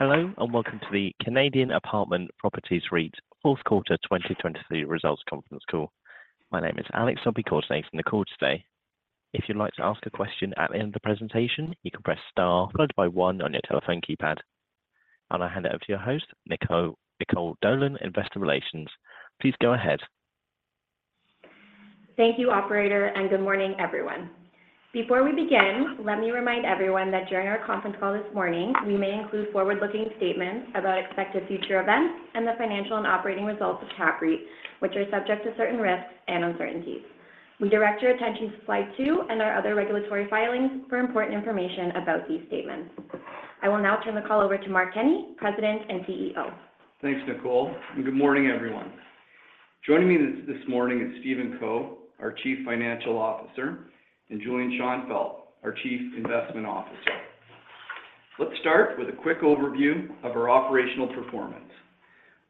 Hello, and welcome to the Canadian Apartment Properties REIT's fourth quarter 2023 results conference call. My name is Alex. I'll be coordinating the call today. If you'd like to ask a question at the end of the presentation, you can press star followed by one on your telephone keypad. I'll now hand it over to your host, Nicole, Nicole Dolan, Investor Relations. Please go ahead. Thank you, operator, and good morning, everyone. Before we begin, let me remind everyone that during our conference call this morning, we may include forward-looking statements about expected future events and the financial and operating results of CAPREIT, which are subject to certain risks and uncertainties. We direct your attention to slide two and our other regulatory filings for important information about these statements. I will now turn the call over to Mark Kenney, President and CEO. Thanks, Nicole, and good morning, everyone. Joining me this morning is Stephen Co, our Chief Financial Officer, and Julian Schonfeld, our Chief Investment Officer. Let's start with a quick overview of our operational performance.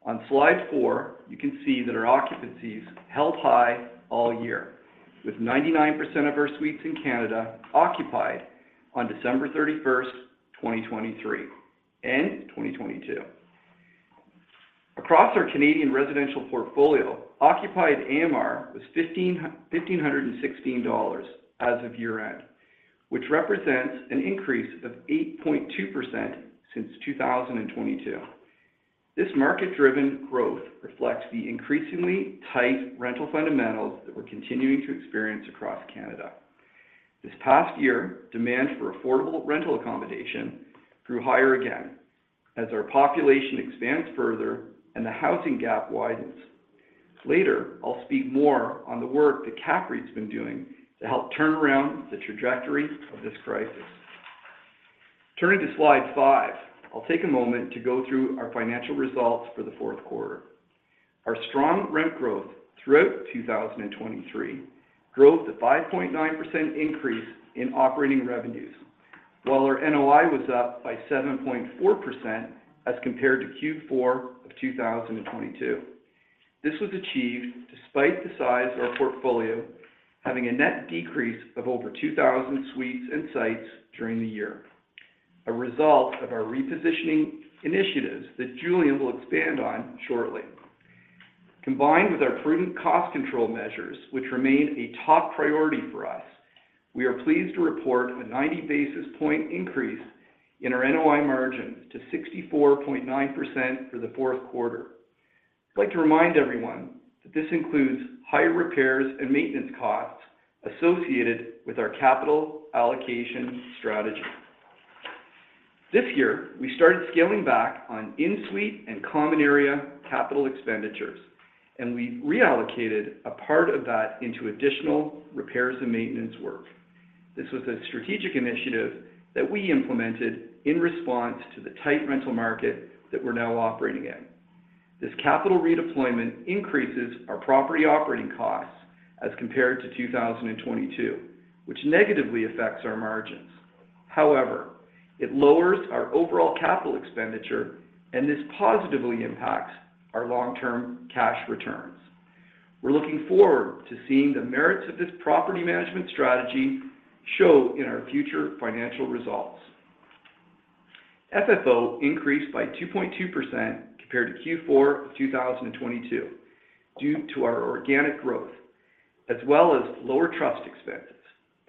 On slide four, you can see that our occupancies held high all year, with 99% of our suites in Canada occupied on December 31, 2023, and 2022. Across our Canadian residential portfolio, occupied AMR was 1,516 dollars as of year-end, which represents an increase of 8.2% since 2022. This market-driven growth reflects the increasingly tight rental fundamentals that we're continuing to experience across Canada. This past year, demand ForAffordable rental accommodation grew higher again as our population expands further and the housing gap widens. Later, I'll speak more on the work that CAPREIT's been doing to help turn around the trajectory of this crisis. Turning to slide 5, I'll take a moment to go through our financial results for the fourth quarter. Our strong rent growth throughout 2023 drove the 5.9% increase in operating revenues, while our NOI was up by 7.4% as compared to Q4 of 2022. This was achieved despite the size of our portfolio, having a net decrease of over 2,000 suites and sites during the year, a result of our repositioning initiatives that Julian will expand on shortly. Combined with our prudent cost control measures, which remain a top priority for us, we are pleased to report a 90 basis point increase in our NOI margin to 64.9% for the fourth quarter. I'd like to remind everyone that this includes higher repairs and maintenance costs associated with our capital allocation strategy. This year, we started scaling back on in-suite and common area capital expenditures, and we reallocated a part of that into additional repairs and maintenance work. This was a strategic initiative that we implemented in response to the tight rental market that we're now operating in. This capital redeployment increases our property operating costs as compared to 2022, which negatively affects our margins. However, it lowers our overall capital expenditure, and this positively impacts our long-term cash returns. We're looking forward to seeing the merits of this property management strategy show in our future financial results. FFO increased by 2.2% compared to Q4 2022, due to our organic growth, as well as lower trust expenses,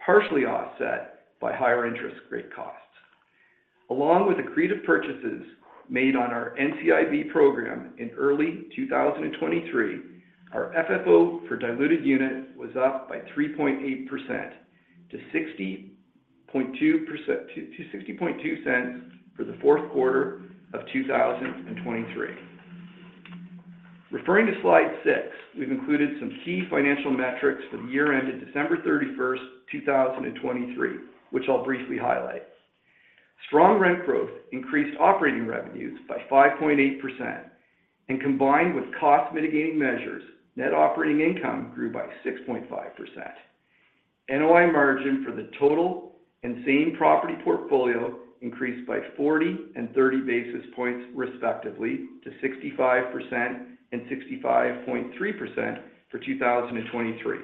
partially offset by higher interest rate costs. Along with accretive purchases made on our NCIB program in early 2023, our FFO for diluted units was up by 3.8% to 60.2 cents for the fourth quarter of 2023. Referring to slide 6, we've included some key financial metrics for the year ended December 31, 2023, which I'll briefly highlight. Strong rent growth increased operating revenues by 5.8%, and combined with cost mitigating measures, net operating income grew by 6.5%. NOI margin for the total and same property portfolio increased by 40 and 30 basis points, respectively, to 65% and 65.3% for 2023.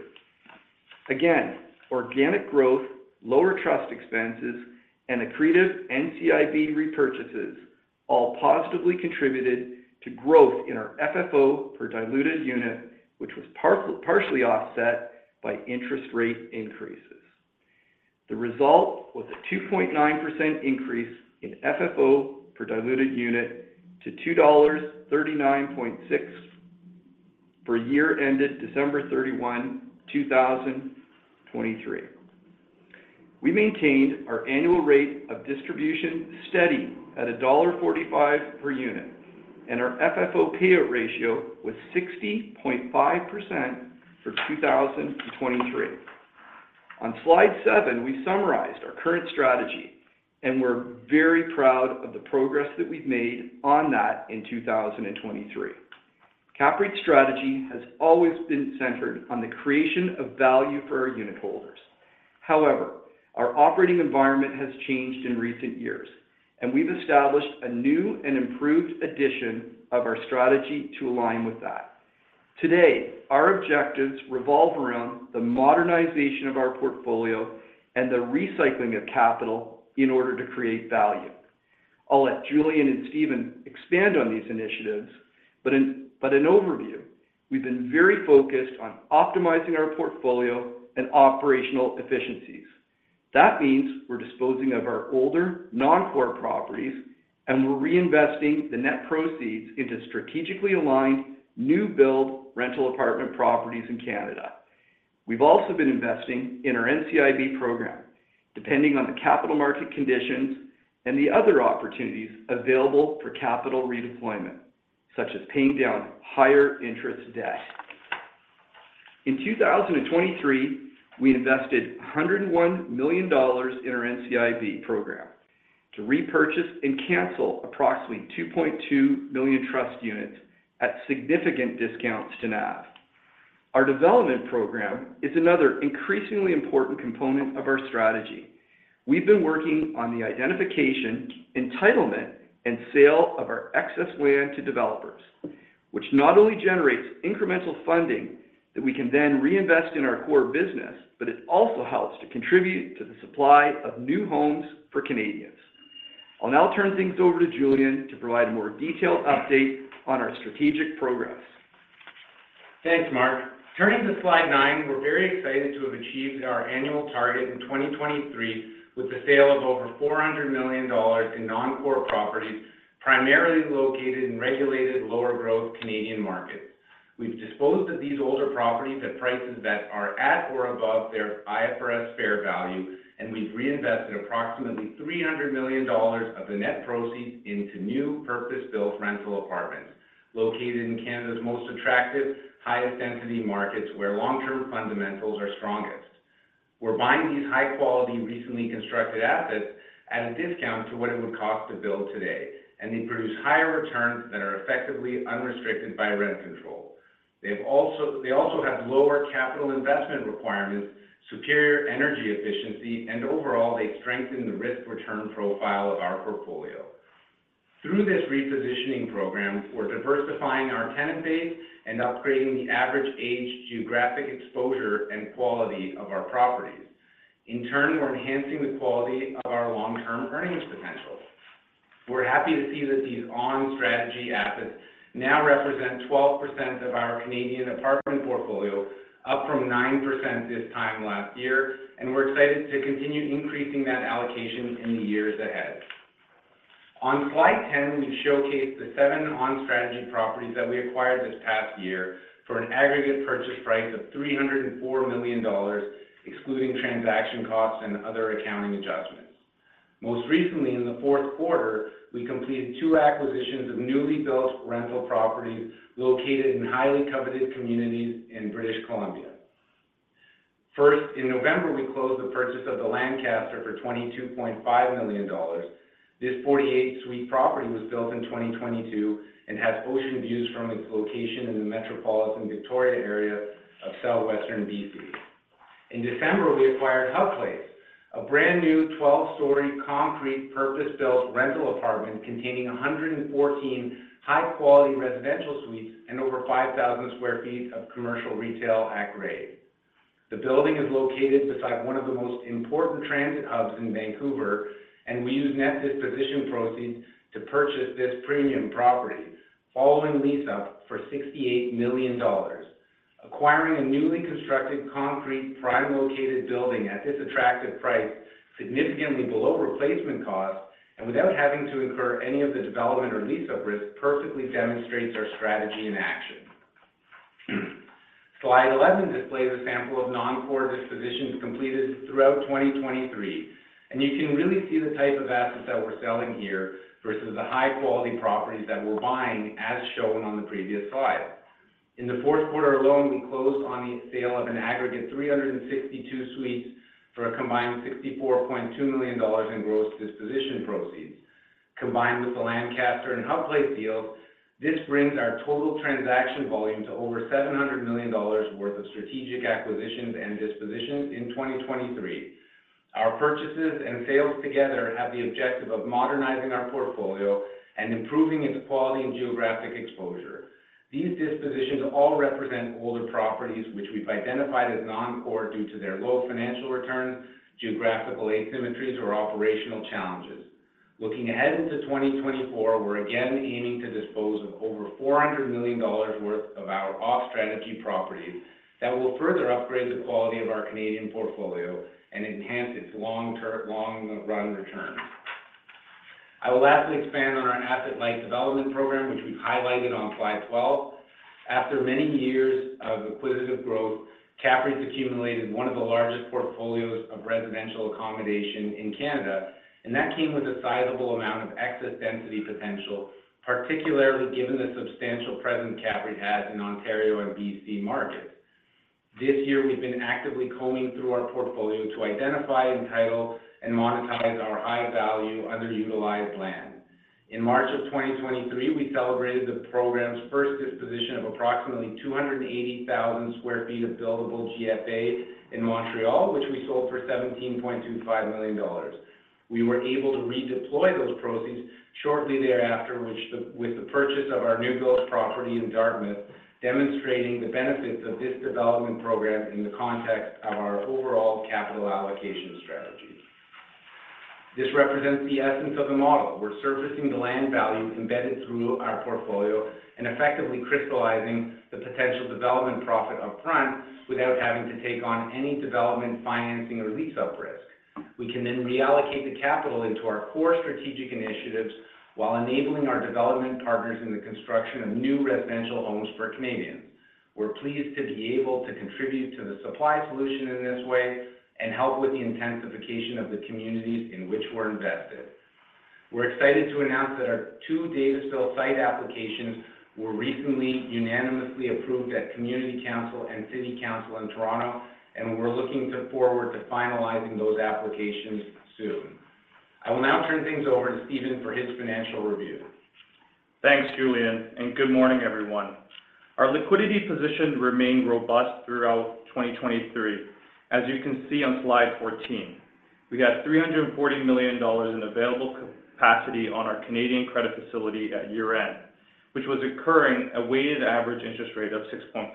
Again, organic growth, lower trust expenses, and accretive NCIB repurchases all positively contributed to growth in our FFO per diluted unit, which was partially offset by interest rate increases. The result was a 2.9% increase in FFO per diluted unit to 2.396 dollars for year ended December 31, 2023. We maintained our annual rate of distribution steady at dollar 1.45 per unit, and our FFO payout ratio was 60.5% for 2023. On slide 7, we summarized our current strategy, and we're very proud of the progress that we've made on that in 2023. CAPREIT's strategy has always been centered on the creation of value for our unitholders. However, our operating environment has changed in recent years, and we've established a new and improved edition of our strategy to align with that. Today, our objectives revolve around the modernization of our portfolio and the recycling of capital in order to create value. I'll let Julian and Stephen expand on these initiatives, but an overview, we've been very focused on optimizing our portfolio and operational efficiencies. That means we're disposing of our older, non-core properties, and we're reinvesting the net proceeds into strategically aligned, new build rental apartment properties in Canada. We've also been investing in our NCIB program, depending on the capital market conditions and the other opportunities available for capital redeployment, such as paying down higher interest debt. In 2023, we invested 101 million dollars in our NCIB program to repurchase and cancel approximately 2.2 million trust units at significant discounts to NAV. Our development program is another increasingly important component of our strategy. We've been working on the identification, entitlement, and sale of our excess land to developers, which not only generates incremental funding that we can then reinvest in our core business, but it also helps to contribute to the supply of new homes for Canadians. I'll now turn things over to Julian to provide a more detailed update on our strategic progress. Thanks, Mark. Turning to slide 9, we're very excited to have achieved our annual target in 2023, with the sale of over 400 million dollars in non-core properties, primarily located in regulated, lower-growth Canadian markets. We've disposed of these older properties at prices that are at or above their IFRS fair value, and we've reinvested approximately 300 million dollars of the net proceeds into new purpose-built rental apartments located in Canada's most attractive, highest density markets, where long-term fundamentals are strongest. We're buying these high-quality, recently constructed assets at a discount to what it would cost to build today, and they produce higher returns that are effectively unrestricted by rent control. They also have lower capital investment requirements, superior energy efficiency, and overall, they strengthen the risk-return profile of our portfolio. Through this repositioning program, we're diversifying our tenant base and upgrading the average age, geographic exposure, and quality of our properties. In turn, we're enhancing the quality of our long-term earnings potential. We're happy to see that these on-strategy assets now represent 12% of our Canadian apartment portfolio, up from 9% this time last year, and we're excited to continue increasing that allocation in the years ahead. On slide 10, we've showcased the 7 on-strategy properties that we acquired this past year for an aggregate purchase price of 304 million dollars, excluding transaction costs and other accounting adjustments. Most recently, in the fourth quarter, we completed two acquisitions of newly built rental properties located in highly coveted communities in British Columbia. First, in November, we closed the purchase of The Lancaster for 22.5 million dollars. This 48-suite property was built in 2022 and has ocean views from its location in the metropolitan Victoria area of southwestern BC. In December, we acquired Hub Place, a brand-new, 12-story, concrete, purpose-built rental apartment containing 114 high-quality residential suites and over 5,000 sq ft of commercial retail at grade. The building is located beside one of the most important transit hubs in Vancouver, and we used net disposition proceeds to purchase this premium property, following lease-up for 68 million dollars. Acquiring a newly constructed, concrete, prime-located building at this attractive price, significantly below replacement cost and without having to incur any of the development or lease-up risk, perfectly demonstrates our strategy in action. Slide 11 displays a sample of non-core dispositions completed throughout 2023, and you can really see the type of assets that we're selling here versus the high-quality properties that we're buying, as shown on the previous slide. In the fourth quarter alone, we closed on the sale of an aggregate 362 suites for a combined 64.2 million dollars in gross disposition proceeds. Combined with The Lancaster and Hub Place deals, this brings our total transaction volume to over 700 million dollars worth of strategic acquisitions and dispositions in 2023. Our purchases and sales together have the objective of modernizing our portfolio and improving its quality and geographic exposure. These dispositions all represent older properties, which we've identified as non-core due to their low financial return, geographical asymmetries, or operational challenges. Looking ahead into 2024, we're again aiming to dispose of over 400 million dollars worth of our off-strategy properties that will further upgrade the quality of our Canadian portfolio and enhance its long-term, long-run returns. I will lastly expand on our asset-light development program, which we've highlighted on slide 12. After many years of acquisitive growth, CAPREIT's accumulated one of the largest portfolios of residential accommodation in Canada, and that came with a sizable amount of excess density potential, particularly given the substantial presence CAPREIT has in Ontario and BC markets. This year, we've been actively combing through our portfolio to identify, entitle, and monetize our high-value, underutilized land.... In March of 2023, we celebrated the program's first disposition of approximately 280,000 sq ft of buildable GFA in Montreal, which we sold for 17.25 million dollars. We were able to redeploy those proceeds shortly thereafter with the purchase of our new build property in Dartmouth, demonstrating the benefits of this development program in the context of our overall capital allocation strategies. This represents the essence of the model. We're surfacing the land value embedded through our portfolio and effectively crystallizing the potential development profit upfront without having to take on any development, financing, or lease-up risk. We can then reallocate the capital into our core strategic initiatives while enabling our development partners in the construction of new residential homes for Canadians. We're pleased to be able to contribute to the supply solution in this way and help with the intensification of the communities in which we're invested. We're excited to announce that our two Davisville site applications were recently unanimously approved at Community Council and City Council in Toronto, and we're looking forward to finalizing those applications soon. I will now turn things over to Stephen for his financial review. Thanks, Julian, and good morning, everyone. Our liquidity position remained robust throughout 2023, as you can see on slide 14. We had 340 million dollars in available capacity on our Canadian credit facility at year-end, which was incurring a weighted average interest rate of 6.5%.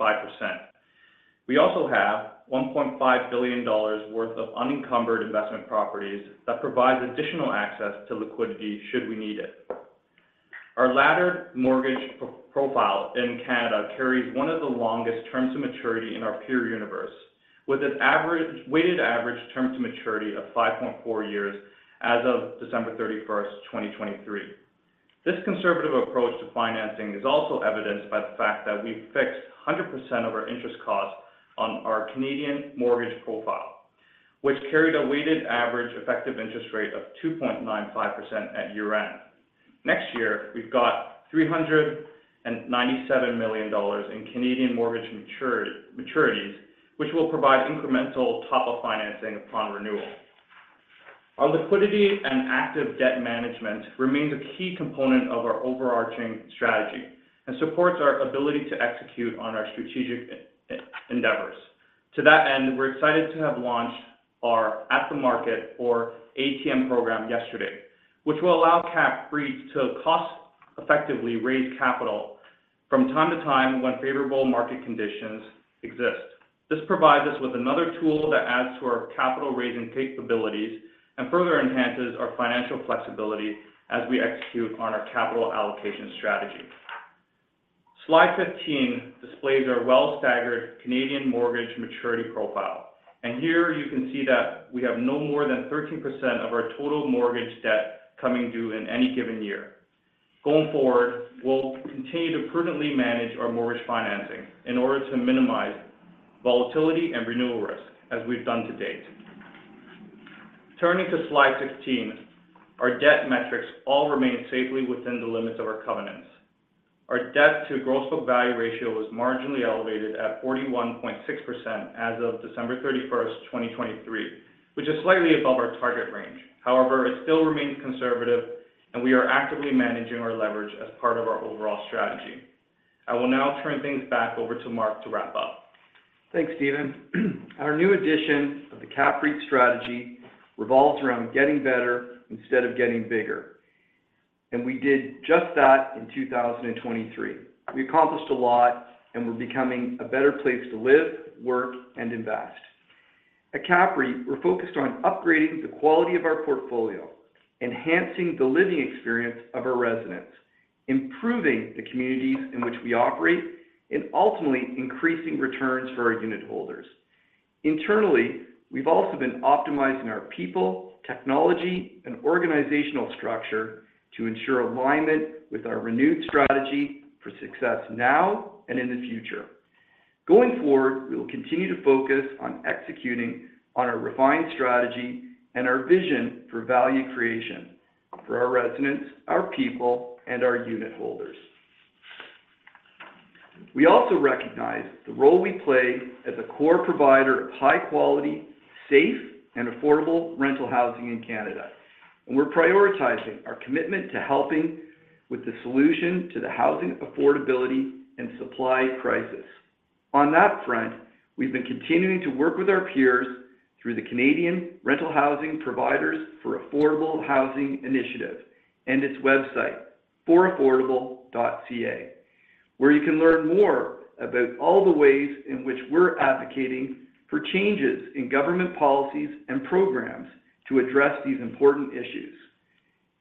We also have 1.5 billion dollars worth of unencumbered investment properties that provides additional access to liquidity should we need it. Our laddered mortgage profile in Canada carries one of the longest terms to maturity in our peer universe, with a weighted average term to maturity of 5.4 years as of December 31, 2023. This conservative approach to financing is also evidenced by the fact that we fixed 100% of our interest costs on our Canadian mortgage profile, which carried a weighted average effective interest rate of 2.95% at year-end. Next year, we've got 397 million dollars in Canadian mortgage maturity, maturities, which will provide incremental top-up financing upon renewal. Our liquidity and active debt management remains a key component of our overarching strategy and supports our ability to execute on our strategic endeavors. To that end, we're excited to have launched our at-the-market or ATM program yesterday, which will allow CAPREIT to cost-effectively raise capital from time to time when favorable market conditions exist. This provides us with another tool that adds to our capital-raising capabilities and further enhances our financial flexibility as we execute on our capital allocation strategy. Slide 15 displays our well-staggered Canadian mortgage maturity profile, and here you can see that we have no more than 13% of our total mortgage debt coming due in any given year. Going forward, we'll continue to prudently manage our mortgage financing in order to minimize volatility and renewal risk, as we've done to date. Turning to slide 16, our debt metrics all remain safely within the limits of our covenants. Our debt to gross book value ratio was marginally elevated at 41.6% as of December 31, 2023, which is slightly above our target range. However, it still remains conservative, and we are actively managing our leverage as part of our overall strategy. I will now turn things back over to Mark to wrap up. Thanks, Stephen. Our new edition of the CAPREIT strategy revolves around getting better instead of getting bigger, and we did just that in 2023. We accomplished a lot, and we're becoming a better place to live, work, and invest. At CAPREIT, we're focused on upgrading the quality of our portfolio, enhancing the living experience of our residents, improving the communities in which we operate, and ultimately increasing returns for our unitholders. Internally, we've also been optimizing our people, technology, and organizational structure to ensure alignment with our renewed strategy for success now and in the future. Going forward, we will continue to focus on executing on our refined strategy and our vision for value creation for our residents, our people, and our unitholders. We also recognize the role we play as a core provider of high quality, safe, and affordable rental housing in Canada, and we're prioritizing our commitment to helping with the solution to the housing affordability and supply crisis. On that front, we've been continuing to work with our peers through the Canadian Rental Housing Providers for Affordable Housing Initiative and its website, foraffordable.ca, where you can learn more about all the ways in which we're advocating for changes in government policies and programs to address these important issues.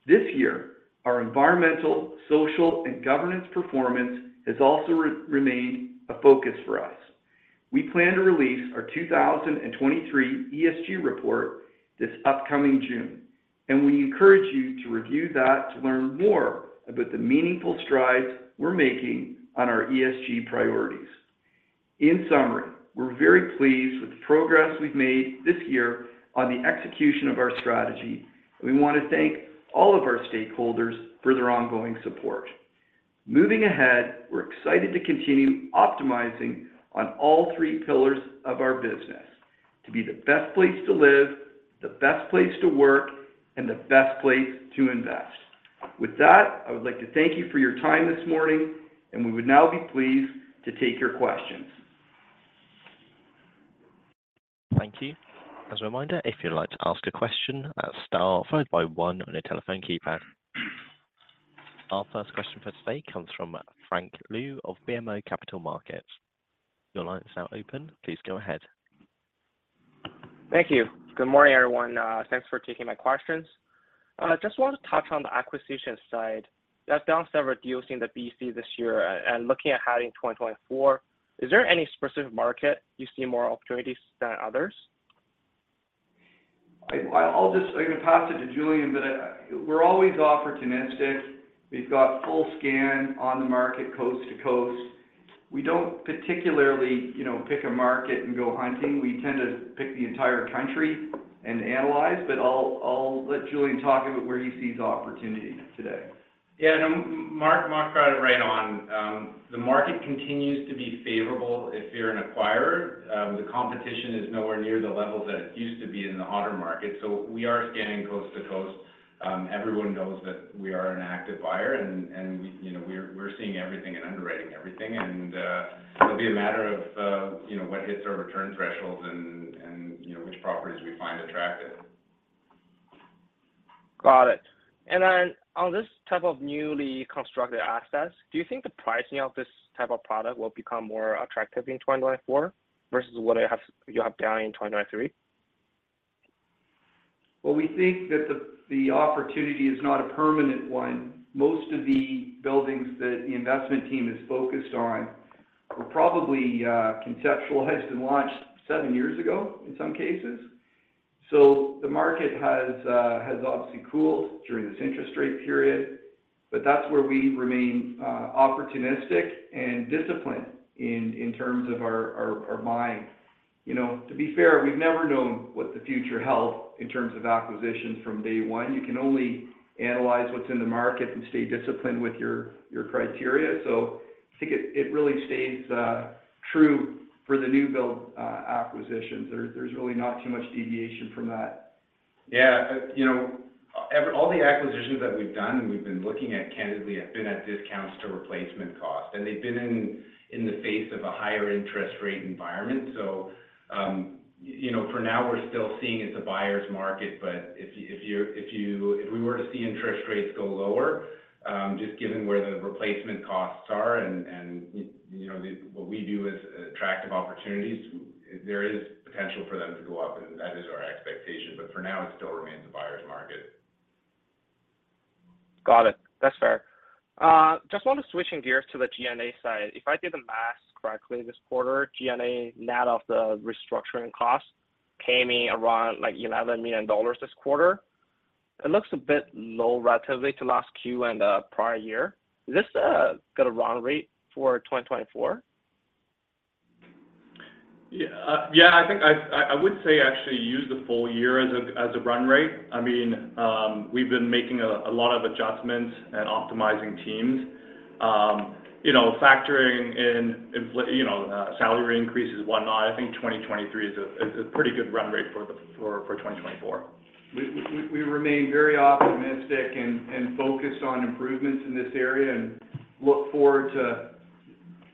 This year, our environmental, social, and governance performance has also remained a focus for us. We plan to release our 2023 ESG report this upcoming June, and we encourage you to review that to learn more about the meaningful strides we're making on our ESG priorities. In summary, we're very pleased with the progress we've made this year on the execution of our strategy. We want to thank all of our stakeholders for their ongoing support.... Moving ahead, we're excited to continue optimizing on all three pillars of our business: to be the best place to live, the best place to work, and the best place to invest. With that, I would like to thank you for your time this morning, and we would now be pleased to take your questions. Thank you. As a reminder, if you'd like to ask a question, star followed by one on your telephone keypad. Our first question for today comes from Frank Liu of BMO Capital Markets. Your line is now open. Please go ahead. Thank you. Good morning, everyone. Thanks for taking my questions. I just want to touch on the acquisition side. You have done several deals in the BC this year, and looking ahead in 2024, is there any specific market you see more opportunities than others? I'll just—I'm going to pass it to Julian, but we're always opportunistic. We've got full scan on the market, coast to coast. We don't particularly, you know, pick a market and go hunting. We tend to pick the entire country and analyze, but I'll let Julian talk about where he sees opportunities today. Yeah. No, Mark, Mark got it right on. The market continues to be favorable if you're an acquirer. The competition is nowhere near the levels that it used to be in the hotter market, so we are scanning coast to coast. Everyone knows that we are an active buyer and, you know, we're seeing everything and underwriting everything, and it'll be a matter of, you know, what hits our return thresholds and, you know, which properties we find attractive. Got it. And then on this type of newly constructed assets, do you think the pricing of this type of product will become more attractive in 2024 versus what you have done in 2023? Well, we think that the opportunity is not a permanent one. Most of the buildings that the investment team is focused on were probably conceptualized and launched seven years ago, in some cases. So the market has obviously cooled during this interest rate period, but that's where we remain opportunistic and disciplined in terms of our buying. You know, to be fair, we've never known what the future held in terms of acquisitions from day one. You can only analyze what's in the market and stay disciplined with your criteria. So I think it really stays true for the new build acquisitions. There's really not too much deviation from that. Yeah. You know, every all the acquisitions that we've done, and we've been looking at candidly, have been at discounts to replacement cost, and they've been in the face of a higher interest rate environment. So, you know, for now, we're still seeing it's a buyer's market, but if we were to see interest rates go lower, just given where the replacement costs are and, you know, what we view as attractive opportunities, there is potential for them to go up, and that is our expectation. But for now, it still remains a buyer's market. Got it. That's fair. Just want to switching gears to the G&A side. If I did the math correctly this quarter, G&A, net of the restructuring costs, came in around, like, 11 million dollars this quarter. It looks a bit low relatively to last Q and the prior year. Is this going to run rate for 2024? Yeah. Yeah, I think I would say actually use the full year as a run rate. I mean, we've been making a lot of adjustments and optimizing teams. You know, factoring in inflation, you know, salary increases, whatnot, I think 2023 is a pretty good run rate for 2024. We remain very optimistic and focused on improvements in this area and look forward to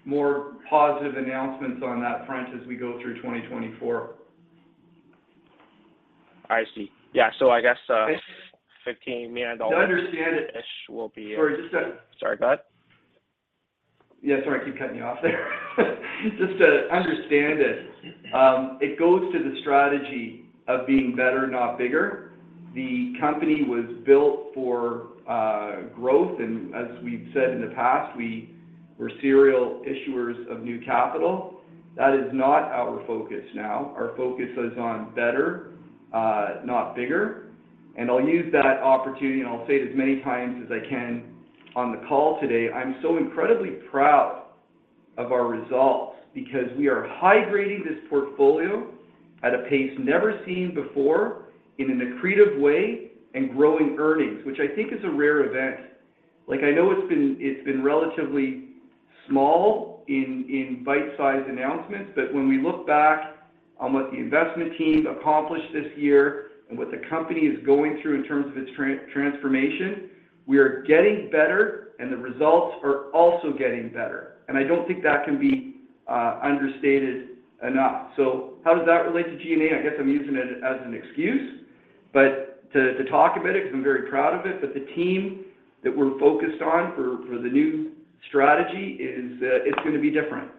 more positive announcements on that front as we go through 2024. I see. Yeah. So I guess, 15 million dollars- I understand it- -ish will be it. Sorry, just to- Sorry, go ahead. Yeah, sorry, I keep cutting you off there. Just to understand it, it goes to the strategy of being better, not bigger. The company was built for growth, and as we've said in the past, we were serial issuers of new capital. That is not our focus now. Our focus is on better, not bigger. And I'll use that opportunity, and I'll say it as many times as I can on the call today. I'm so incredibly proud of our results because we are high-grading this portfolio at a pace never seen before in an accretive way and growing earnings, which I think is a rare event. Like, I know it's been relatively small in bite-sized announcements, but when we look back on what the investment team accomplished this year and what the company is going through in terms of its transformation, we are getting better, and the results are also getting better. I don't think that can be understated enough. So how does that relate to G&A? I guess I'm using it as an excuse, but to talk about it, because I'm very proud of it, but the team that we're focused on for the new strategy is going to be different.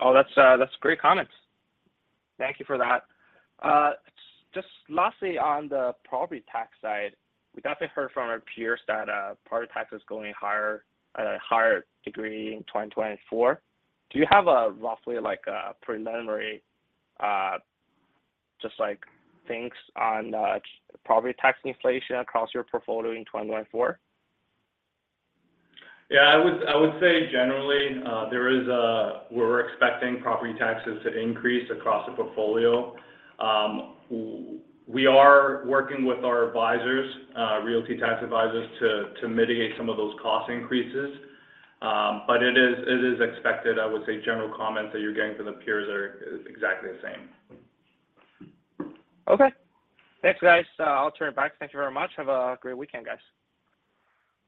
Oh, that's, that's great comments. Thank you for that. Just lastly, on the property tax side, we definitely heard from our peers that property tax is going higher, at a higher degree in 2024. Do you have a roughly, like a, preliminary, just like things on property tax inflation across your portfolio in 2024?... Yeah, I would say generally, there is, we're expecting property taxes to increase across the portfolio. We are working with our advisors, realty tax advisors, to mitigate some of those cost increases. But it is expected. I would say general comments that you're getting from the peers are is exactly the same. Okay. Thanks, guys. I'll turn it back. Thank you very much. Have a great weekend, guys.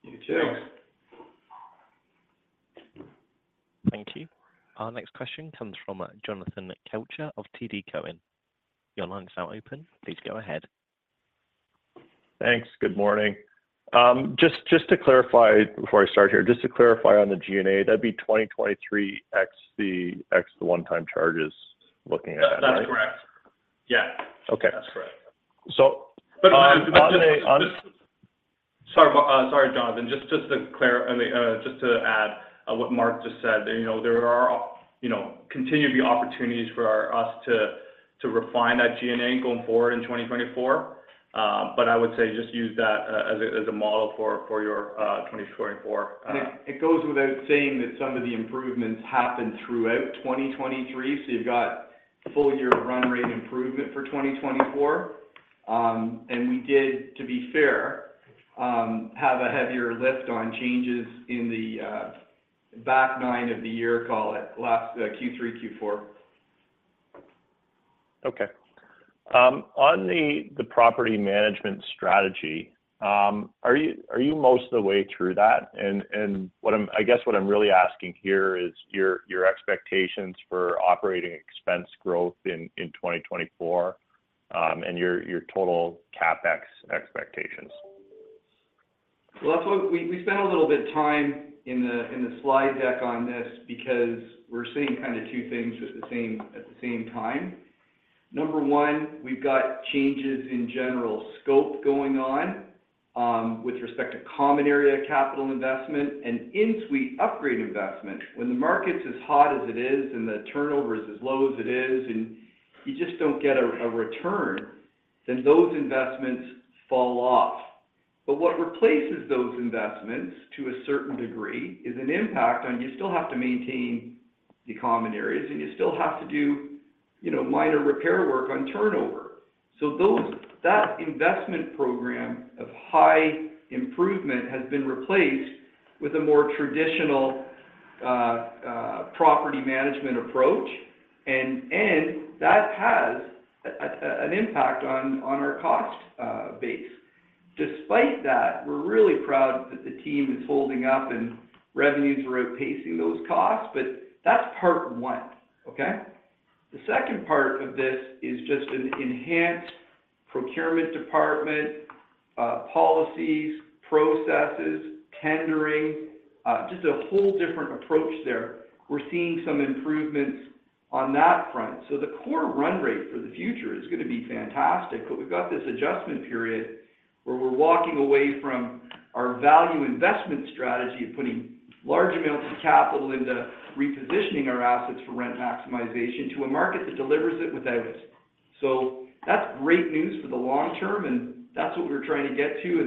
You too. Thanks. Thank you. Our next question comes from Jonathan Kelcher of TD Cowen. Your line is now open, please go ahead. Thanks. Good morning. Just to clarify before I start here, on the G&A, that'd be 2023 ex the one-time charges looking at that, right? That's correct. Yeah. Okay. That's correct. So- But, sorry about. Sorry, Jonathan. Just to add what Mark just said, you know, there are, you know, continue to be opportunities for us to refine that G&A going forward in 2024. But I would say just use that as a model for your 2024. It goes without saying that some of the improvements happened throughout 2023, so you've got full year of run rate improvement for 2024. We did, to be fair, have a heavier lift on changes in the back nine of the year, call it last Q3, Q4. Okay. On the property management strategy, are you most of the way through that? And what I'm—I guess, what I'm really asking here is your expectations for operating expense growth in 2024, and your total CapEx expectations. Well, we spent a little bit of time in the slide deck on this because we're seeing kind of two things with the same, at the same time. Number one, we've got changes in general scope going on with respect to common area capital investment and in-suite upgrade investment. When the market's as hot as it is and the turnover is as low as it is, and you just don't get a return, then those investments fall off. But what replaces those investments, to a certain degree, is an impact on you still have to maintain the common areas, and you still have to do, you know, minor repair work on turnover. So that investment program of high improvement has been replaced with a more traditional, property management approach, and that has an impact on our cost base. Despite that, we're really proud that the team is holding up and revenues are outpacing those costs, but that's part one, okay? The second part of this is just an enhanced procurement department, policies, processes, tendering, just a whole different approach there. We're seeing some improvements on that front. So the core run rate for the future is gonna be fantastic, but we've got this adjustment period where we're walking away from our value investment strategy of putting large amounts of capital into repositioning our assets for rent maximization to a market that delivers it without us. So that's great news for the long term, and that's what we're trying to get to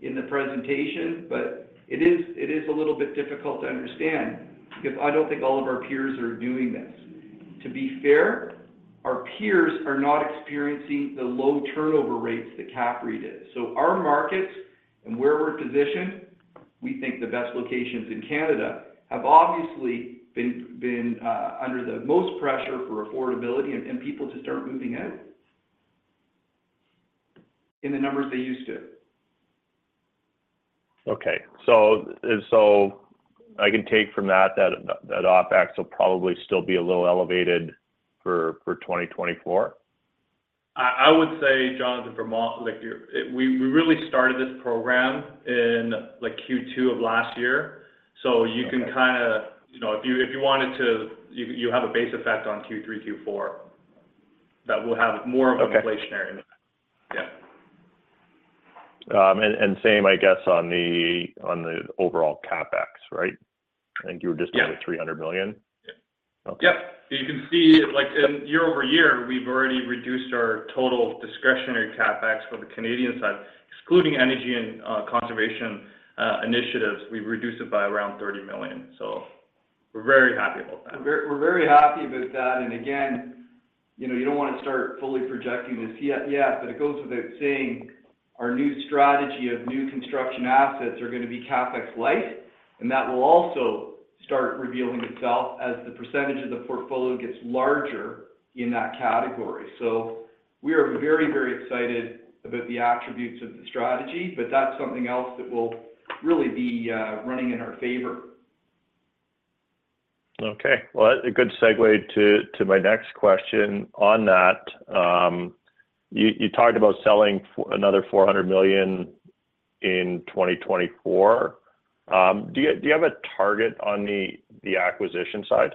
in the presentation, but it is a little bit difficult to understand because I don't think all of our peers are doing this. To be fair, our peers are not experiencing the low turnover rates that CAPREIT is. So our markets and where we're positioned, we think the best locations in Canada have obviously been under the most pressure for affordability and people to start moving out in the numbers they used to. Okay. So, and so I can take from that that OpEx will probably still be a little elevated for 2024? I would say, Jonathan, from a—like, we really started this program in, like, Q2 of last year. Okay. So you can kinda, you know, if you wanted to, you have a base effect on Q3, Q4 that will have more- Okay... of an inflationary. Yeah. And same, I guess, on the overall CapEx, right? I think you were just- Yeah... under 300 million? Yeah. Okay. Yeah. So you can see, like, in year-over-year, we've already reduced our total discretionary CapEx for the Canadian side. Excluding energy and conservation initiatives, we've reduced it by around 30 million. So we're very happy about that. We're very happy about that, and again, you know, you don't want to start fully projecting this yet, yeah, but it goes without saying, our new strategy of new construction assets are gonna be CapEx light, and that will also start revealing itself as the percentage of the portfolio gets larger in that category. So we are very, very excited about the attributes of the strategy, but that's something else that will really be running in our favor. Okay. Well, a good segue to, to my next question on that. You talked about selling another 400 million in 2024. Do you have a target on the acquisition side?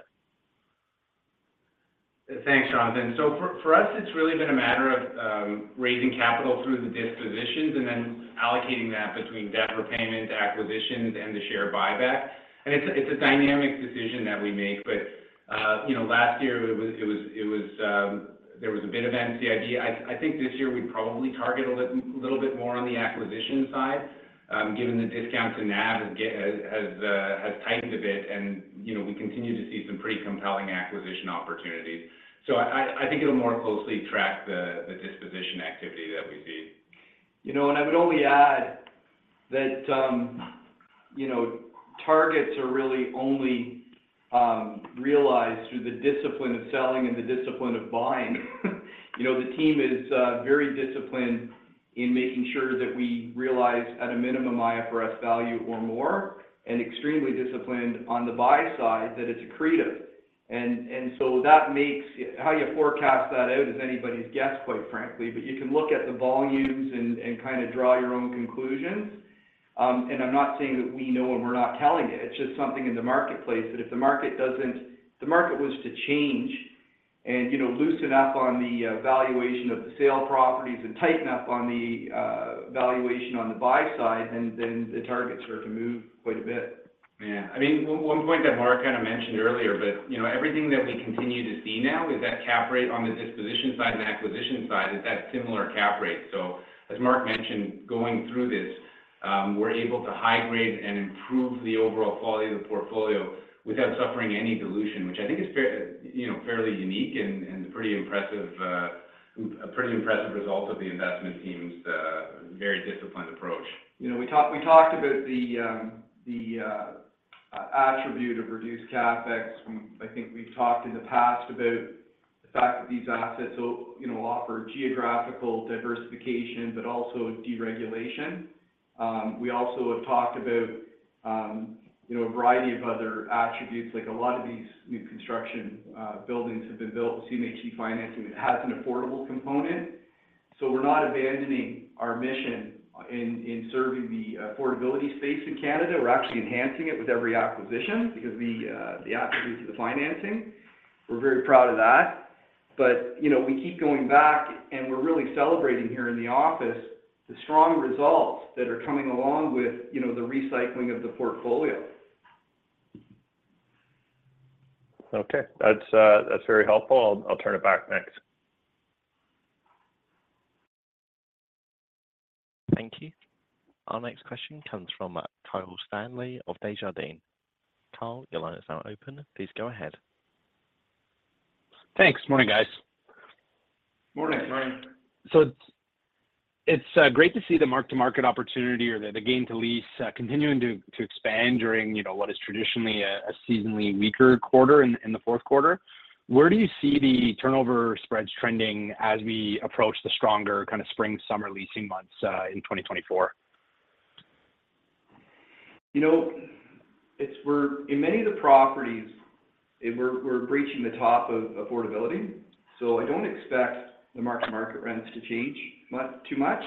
Thanks, Jonathan. So for us, it's really been a matter of raising capital through the dispositions and then allocating that between debt repayment, acquisitions, and the share buybacks. It's a dynamic decision that we make, but you know, last year there was a bit of NCIB. I think this year, we probably target a little bit more on the acquisition side, given the discount to NAV has tightened a bit, and you know, we continue to see some pretty compelling acquisition opportunities. So I think it'll more closely track the disposition activity that we see. You know, and I would only add that, you know, targets are really only realized through the discipline of selling and the discipline of buying. You know, the team is very disciplined in making sure that we realize at a minimum IFRS value or more, and extremely disciplined on the buy side, that it's accretive. And so that makes how you forecast that out is anybody's guess, quite frankly, but you can look at the volumes and kinda draw your own conclusions. And I'm not saying that we know and we're not telling you, it's just something in the marketplace, that if the market was to change and, you know, loosen up on the valuation of the sale properties and tighten up on the valuation on the buy side, then, then the targets are to move quite a bit. Yeah. I mean, one point that Mark kind of mentioned earlier, but, you know, everything that we continue to see now is that cap rate on the disposition side and acquisition side is that similar cap rate. So as Mark mentioned, going through this, we're able to high grade and improve the overall quality of the portfolio without suffering any dilution, which I think is fair, you know, fairly unique and, and pretty impressive, a pretty impressive result of the investment team's very disciplined approach. You know, we talked about the attribute of reduced CapEx. I think we've talked in the past about the fact that these assets will, you know, offer geographical diversification, but also deregulation. We also have talked about, you know, a variety of other attributes, like a lot of these new construction buildings have been built with CMHC financing that has an affordable component. So we're not abandoning our mission in serving the affordability space in Canada. We're actually enhancing it with every acquisition because the attributes of the financing, we're very proud of that. But, you know, we keep going back, and we're really celebrating here in the office, the strong results that are coming along with, you know, the recycling of the portfolio. Okay. That's, that's very helpful. I'll, I'll turn it back next. Thank you. Our next question comes from Kyle Stanley of Desjardins. Kyle, your line is now open, please go ahead. Thanks. Morning, guys. Morning. Morning. So it's great to see the mark-to-market opportunity or the gain to lease continuing to expand during, you know, what is traditionally a seasonally weaker quarter in the fourth quarter. Where do you see the turnover spreads trending as we approach the stronger kind of spring, summer leasing months in 2024? You know, we're in many of the properties, we're breaching the top of affordability, so I don't expect the mark-to-market rents to change much, too much.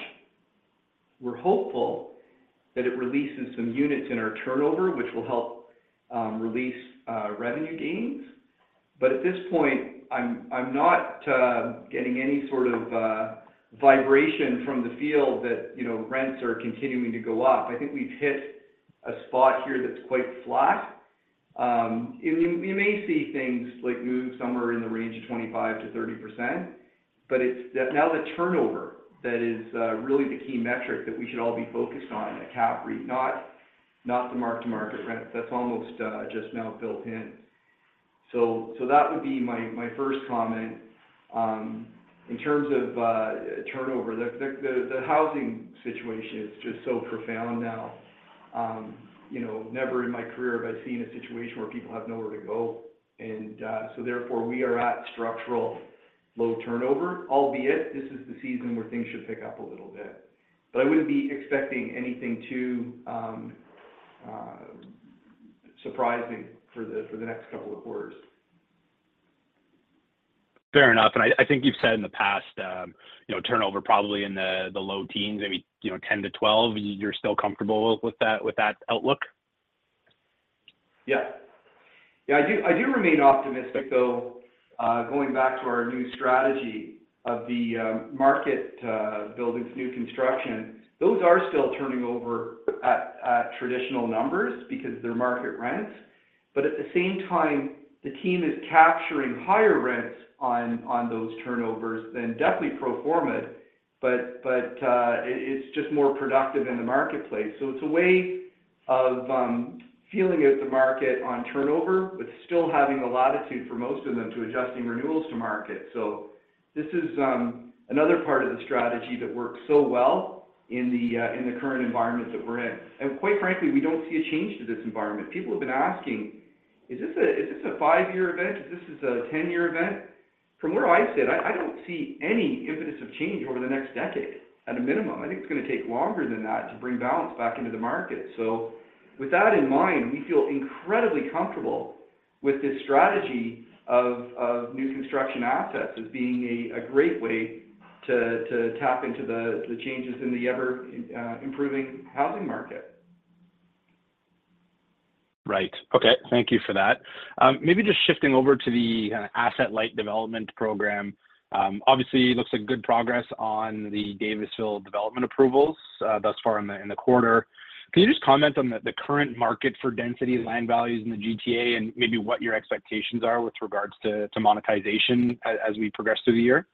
We're hopeful that it releases some units in our turnover, which will help release revenue gains. But at this point, I'm not getting any sort of vibration from the field that, you know, rents are continuing to go up. I think we've hit a spot here that's quite flat. And we may see things like move somewhere in the range of 25%-30%, but it's that now the turnover that is really the key metric that we should all be focused on, a cap rate, not the mark-to-market rent, that's almost just now built in. So that would be my first comment. In terms of turnover, the housing situation is just so profound now. You know, never in my career have I seen a situation where people have nowhere to go. And so therefore, we are at structural low turnover, albeit this is the season where things should pick up a little bit. But I wouldn't be expecting anything too surprising for the next couple of quarters. Fair enough. I think you've said in the past, you know, turnover probably in the low teens, maybe, you know, 10-12. You're still comfortable with that, with that outlook? Yeah. Yeah, I do. I do remain optimistic, though, going back to our new strategy of the market buildings, new construction. Those are still turning over at traditional numbers because they're market rents, but at the same time, the team is capturing higher rents on those turnovers than definitely pro forma. But it's just more productive in the marketplace. So it's a way of feeling out the market on turnover, but still having the latitude for most of them to adjusting renewals to market. So this is another part of the strategy that works so well in the current environment that we're in. And quite frankly, we don't see a change to this environment. People have been asking: Is this a five-year event? Is this a ten-year event? From where I sit, I don't see any impetus of change over the next decade. At a minimum, I think it's gonna take longer than that to bring balance back into the market. So with that in mind, we feel incredibly comfortable with this strategy of new construction assets as being a great way to tap into the changes in the ever improving housing market.... Right. Okay, thank you for that. Maybe just shifting over to the asset-light development program. Obviously, looks like good progress on the Davisville development approvals thus far in the quarter. Can you just comment on the current market for density, land values in the GTA, and maybe what your expectations are with regards to monetization as we progress through the year?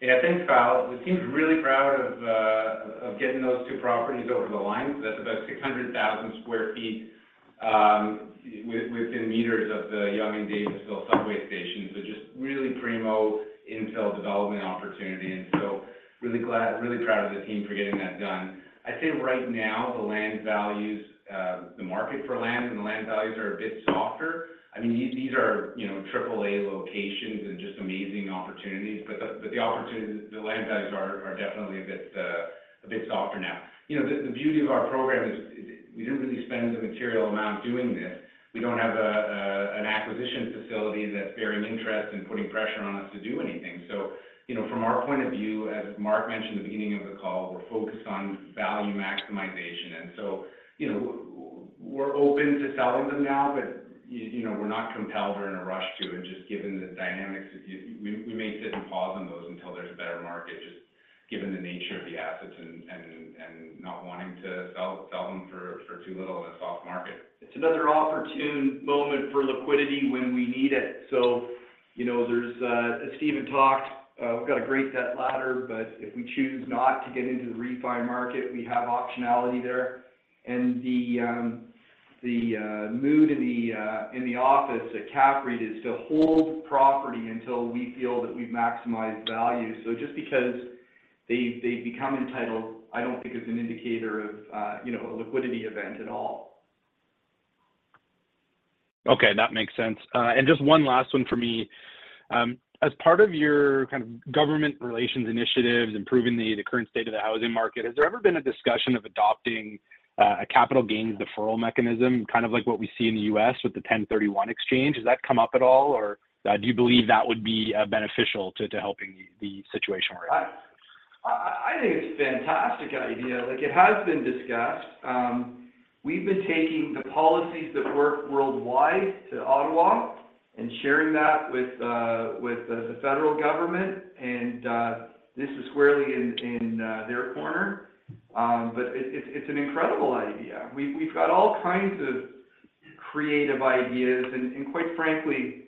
Yeah, thanks, Kyle. The team's really proud of getting those two properties over the line. That's about 600,000 sq ft within meters of the Yonge-Davisville subway station. So just really prime infill development opportunity, and so really glad, really proud of the team for getting that done. I'd say right now, the land values, the market for land and the land values are a bit softer. I mean, these, these are, you know, triple A locations and just amazing opportunities, but the, but the opportunities, the land values are, are definitely a bit softer now. You know, the, the beauty of our program is, is we didn't really spend a material amount doing this. We don't have a, a, an acquisition facility that's bearing interest and putting pressure on us to do anything. So, you know, from our point of view, as Mark mentioned at the beginning of the call, we're focused on value maximization, and so, you know, we're open to selling them now, but, you know, we're not compelled or in a rush to. And just given the dynamics, if we may sit and pause on those until there's a better market, just given the nature of the assets and not wanting to sell them for too little in a soft market. It's another opportune moment for liquidity when we need it. So, you know, there's, as Stephen talked, we've got a great debt ladder, but if we choose not to get into the refi market, we have optionality there. And the mood in the office at CAPREIT is to hold property until we feel that we've maximized value. So just because they, they become entitled, I don't think is an indicator of, you know, a liquidity event at all. Okay, that makes sense. And just one last one for me. As part of your kind of government relations initiatives, improving the current state of the housing market, has there ever been a discussion of adopting a capital gains deferral mechanism, kind of like what we see in the U.S. with the 1031 exchange? Has that come up at all, or do you believe that would be beneficial to helping the situation we're in? I think it's a fantastic idea, like it has been discussed. We've been taking the policies that work worldwide to Ottawa and sharing that with the federal government, and this is squarely in their corner. But it's an incredible idea. We've got all kinds of creative ideas, and quite frankly,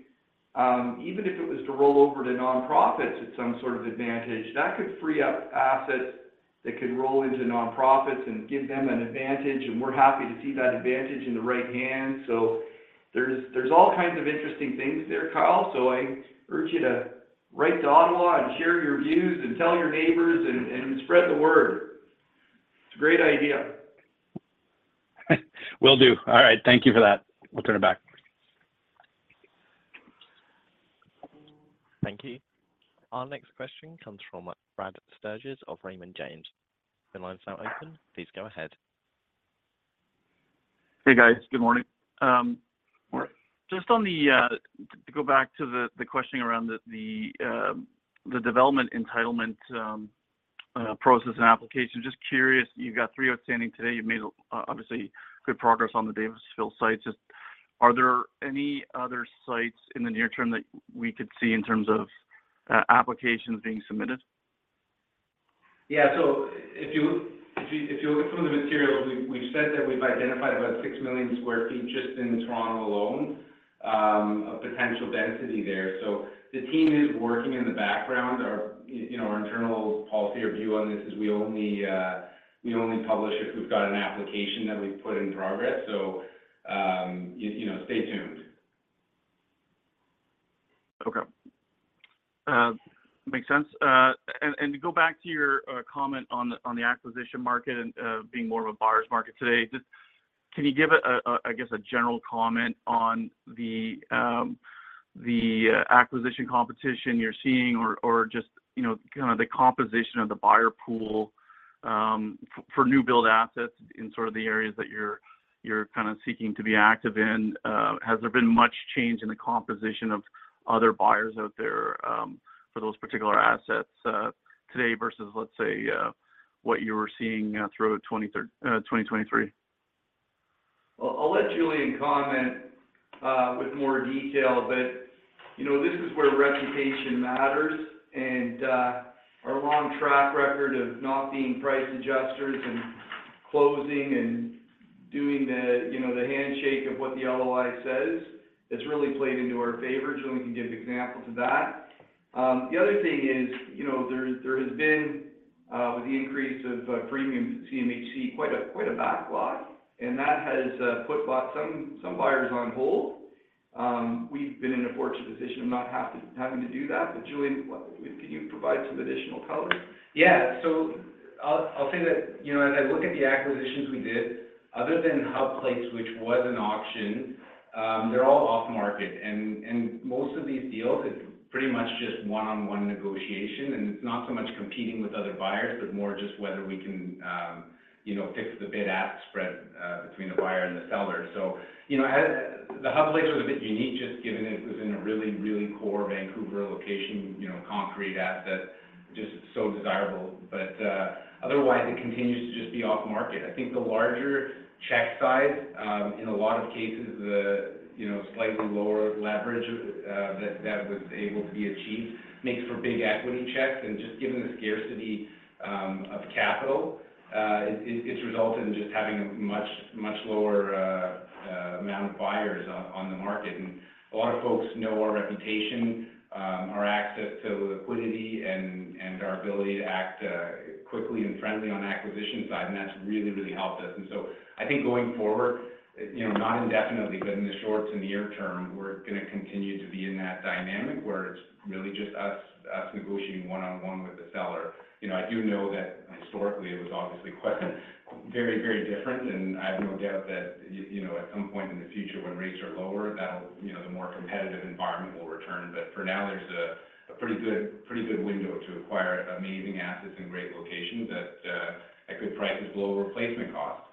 even if it was to roll over to nonprofits at some sort of advantage, that could free up assets that could roll into nonprofits and give them an advantage, and we're happy to see that advantage in the right hands. So there's all kinds of interesting things there, Kyle, so I urge you to write to Ottawa and share your views and tell your neighbors and spread the word. It's a great idea. Will do. All right, thank you for that. We'll turn it back. Thank you. Our next question comes from Brad Sturges of Raymond James. The line is now open. Please go ahead. Hey, guys. Good morning. Morning. Just on the to go back to the questioning around the development entitlement process and application. Just curious, you've got three outstanding today. You've made obviously good progress on the Davisville site. Just, are there any other sites in the near term that we could see in terms of applications being submitted? Yeah, so if you look through the materials, we've said that we've identified about 6 million sq ft just in Toronto alone of potential density there. The team is working in the background. You know, our internal policy or view on this is we only publish if we've got an application that we've put in progress. You know, stay tuned. Okay. Makes sense. And to go back to your comment on the acquisition market and being more of a buyer's market today, just can you give a, I guess, a general comment on the acquisition competition you're seeing, or just, you know, kind of the composition of the buyer pool, for new build assets in sort of the areas that you're seeking to be active in? Has there been much change in the composition of other buyers out there, for those particular assets, today versus, let's say, what you were seeing throughout 2023? Well, I'll let Julian comment with more detail, but, you know, this is where reputation matters, and our long track record of not being price adjusters and closing and doing the, you know, the handshake of what the LOI says, it's really played into our favor. Julian can give example to that. The other thing is, you know, there has been with the increase of premium CMHC, quite a backlog, and that has put some buyers on hold. We've been in a fortunate position of not having to do that, but Julian, what... Can you provide some additional color? Yeah. So I'll say that, you know, as I look at the acquisitions we did, other than Hub Place, which was an auction, they're all off-market. And most of these deals, it's re-... pretty much just one-on-one negotiation, and it's not so much competing with other buyers, but more just whether we can, you know, fix the bid-ask spread between the buyer and the seller. So, you know, as the Hub Place was a bit unique, just given it was in a really, really core Vancouver location, you know, concrete asset, just so desirable. But otherwise, it continues to just be off-market. I think the larger check size in a lot of cases, you know, slightly lower leverage that was able to be achieved makes for big equity checks. And just given the scarcity of capital, it's resulted in just having a much, much lower amount of buyers on the market. A lot of folks know our reputation, our access to liquidity, and our ability to act quickly and friendly on the acquisition side, and that's really, really helped us. So I think going forward, you know, not indefinitely, but in the short- and near-term, we're going to continue to be in that dynamic where it's really just us negotiating one-on-one with the seller. You know, I do know that historically, it was obviously quite very, very different, and I have no doubt that you know, at some point in the future, when rates are lower, that'll you know, the more competitive environment will return. But for now, there's a pretty good window to acquire amazing assets in great locations at good prices below replacement costs.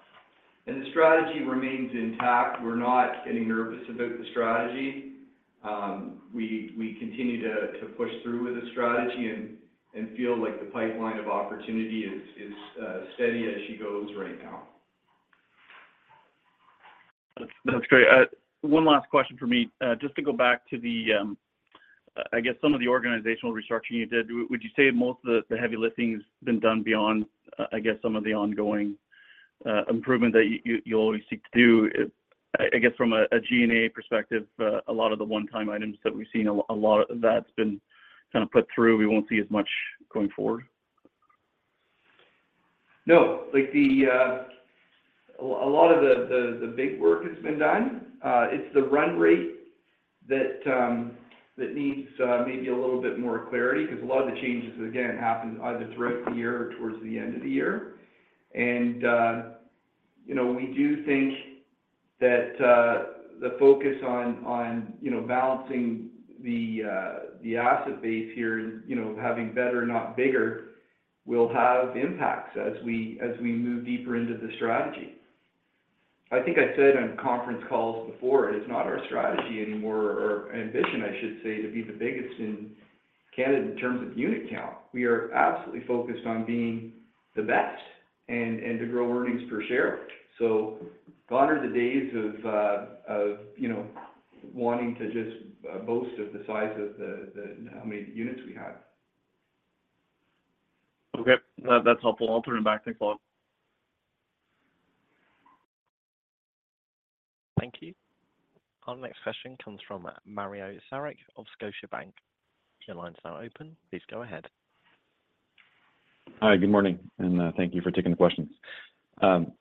The strategy remains intact. We're not getting nervous about the strategy. We continue to push through with the strategy and feel like the pipeline of opportunity is steady as she goes right now. That's, that's great. One last question from me. Just to go back to the, I guess, some of the organizational restructuring you did. Would you say most of the, the heavy lifting has been done beyond, I guess, some of the ongoing, improvement that you, you, you always seek to do? I guess from a G&A perspective, a lot of the one-time items that we've seen, a lot of that's been kind of put through, we won't see as much going forward? No. Like, a lot of the big work has been done. It's the run rate that needs maybe a little bit more clarity, because a lot of the changes, again, happened either throughout the year or towards the end of the year. And, you know, we do think that the focus on, you know, balancing the asset base here and, you know, having better, not bigger, will have impacts as we move deeper into the strategy. I think I said on conference calls before, it is not our strategy anymore, or ambition, I should say, to be the biggest in Canada in terms of unit count. We are absolutely focused on being the best and, and to grow earnings per share. So gone are the days of, you know, wanting to just boast of the size of the, how many units we have. Okay. That's helpful. I'll turn it back. Thanks a lot. Thank you. Our next question comes from Mario Saric of Scotiabank. Your line is now open. Please go ahead. Hi, good morning, and thank you for taking the questions.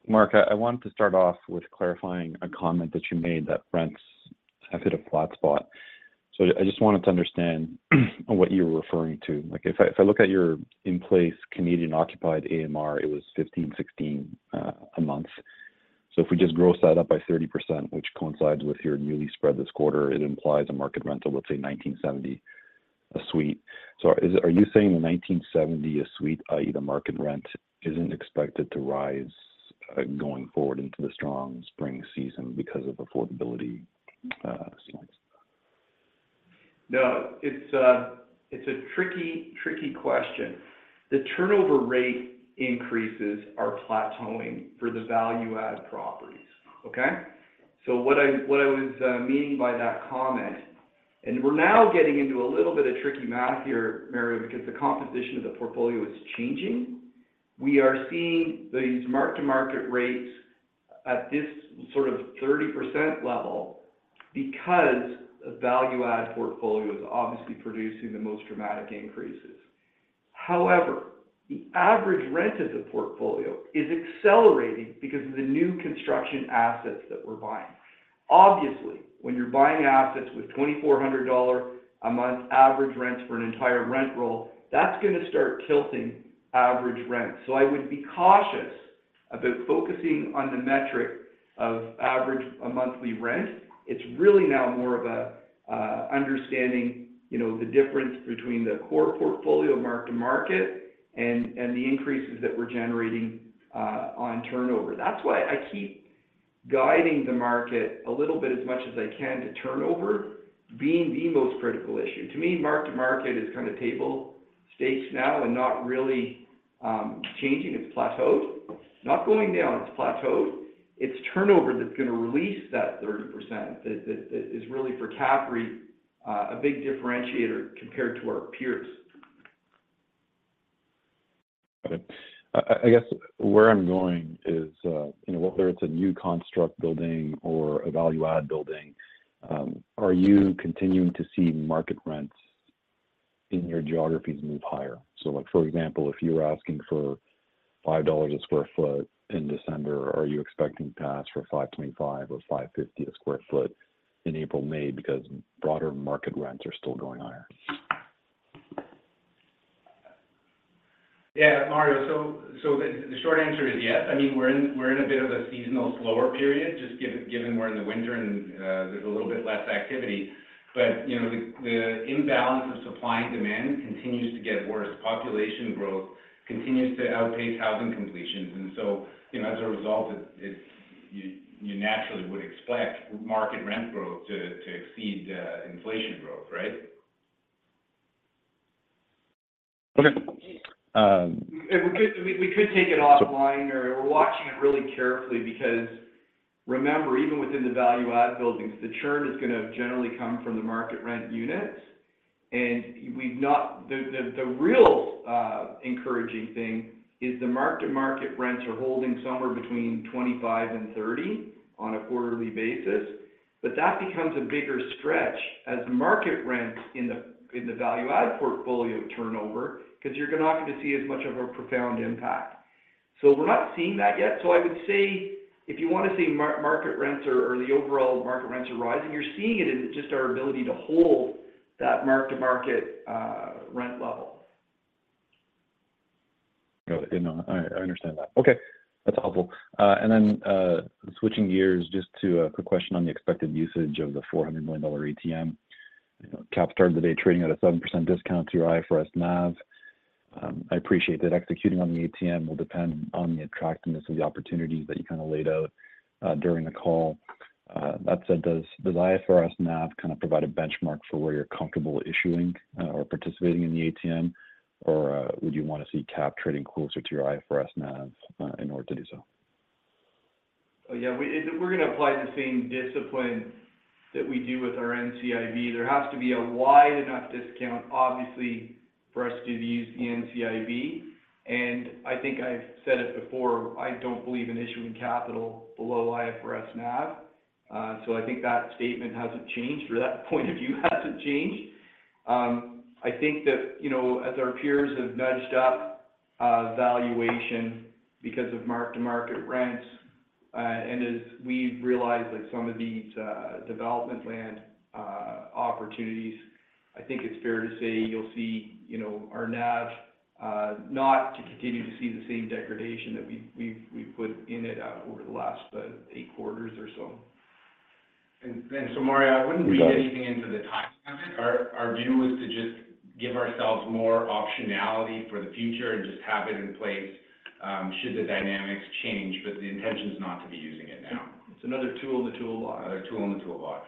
Mark, I wanted to start off with clarifying a comment that you made, that rents have hit a flat spot. So I just wanted to understand what you were referring to. Like, if I look at your in-place Canadian-occupied AMR, it was 1,516 a month. So if we just gross that up by 30%, which coincides with your new lease spread this quarter, it implies a market rent of, let's say, 1,970 a suite. So are you saying the 1,970 a suite, i.e., the market rent, isn't expected to rise going forward into the strong spring season because of affordability slides? No, it's a, it's a tricky, tricky question. The turnover rate increases are plateauing for the value-add properties, okay? So what I, what I was meaning by that comment, and we're now getting into a little bit of tricky math here, Mario, because the composition of the portfolio is changing. We are seeing these mark-to-market rates at this sort of 30% level because the value-add portfolio is obviously producing the most dramatic increases. However, the average rent of the portfolio is accelerating because of the new construction assets that we're buying. Obviously, when you're buying assets with CAD 2,400-a-month average rents for an entire rent roll, that's going to start tilting average rent. So I would be cautious about focusing on the metric of average a monthly rent. It's really now more of a, understanding, you know, the difference between the core portfolio mark-to-market and, and the increases that we're generating, on turnover. That's why I keep guiding the market a little bit, as much as I can, to turnover being the most critical issue. To me, mark-to-market is kind of table stakes now and not really, changing. It's plateaued. Not going down, it's plateaued. It's turnover that's going to release that 30%, that, that, that is really, for CAPREIT, a big differentiator compared to our peers. Got it. I guess where I'm going is, you know, whether it's a new construct building or a value-add building, are you continuing to see market rents in your geographies move higher? So, like, for example, if you were asking for 5 dollars a sq ft in December, are you expecting to ask for 5.25 or 5.50 a sq ft in April/May because broader market rents are still going higher?... Yeah, Mario, so the short answer is yes. I mean, we're in a bit of a seasonal slower period, just given we're in the winter and there's a little bit less activity. But, you know, the imbalance of supply and demand continues to get worse. Population growth continues to outpace housing completions, and so, you know, as a result, you naturally would expect market rent growth to exceed inflation growth, right? Okay, um- We could take it offline, or we're watching it really carefully, because remember, even within the value add buildings, the churn is going to generally come from the market rent units. The real encouraging thing is the mark-to-market rents are holding somewhere between 25 and 30 on a quarterly basis, but that becomes a bigger stretch as market rents in the value add portfolio turnover, 'cause you're not going to see as much of a profound impact. We're not seeing that yet. I would say, if you want to see market rents or the overall market rents are rising, you're seeing it in just our ability to hold that mark-to-market rent level. Got it. No, I understand that. Okay, that's helpful. And then, switching gears, just to a quick question on the expected usage of the 400 million dollar ATM. You know, CAP started the day trading at a 7% discount to your IFRS NAV. I appreciate that executing on the ATM will depend on the attractiveness of the opportunities that you kind of laid out during the call. That said, does IFRS NAV kind of provide a benchmark for where you're comfortable issuing or participating in the ATM? Or would you want to see CAP trading closer to your IFRS NAV in order to do so? Yeah, we're going to apply the same discipline that we do with our NCIB. There has to be a wide enough discount, obviously, for us to use the NCIB. And I think I've said it before, I don't believe in issuing capital below IFRS NAV. So I think that statement hasn't changed, or that point of view hasn't changed. I think that, you know, as our peers have nudged up valuation because of mark-to-market rents, and as we've realized, like some of these development land opportunities, I think it's fair to say you'll see, you know, our NAV not to continue to see the same degradation that we've put in it over the last 8 quarters or so. Mario, I wouldn't read anything into the timing of it. Our view is to just give ourselves more optionality for the future and just have it in place, should the dynamics change, but the intention is not to be using it now. It's another tool in the toolbox. Another tool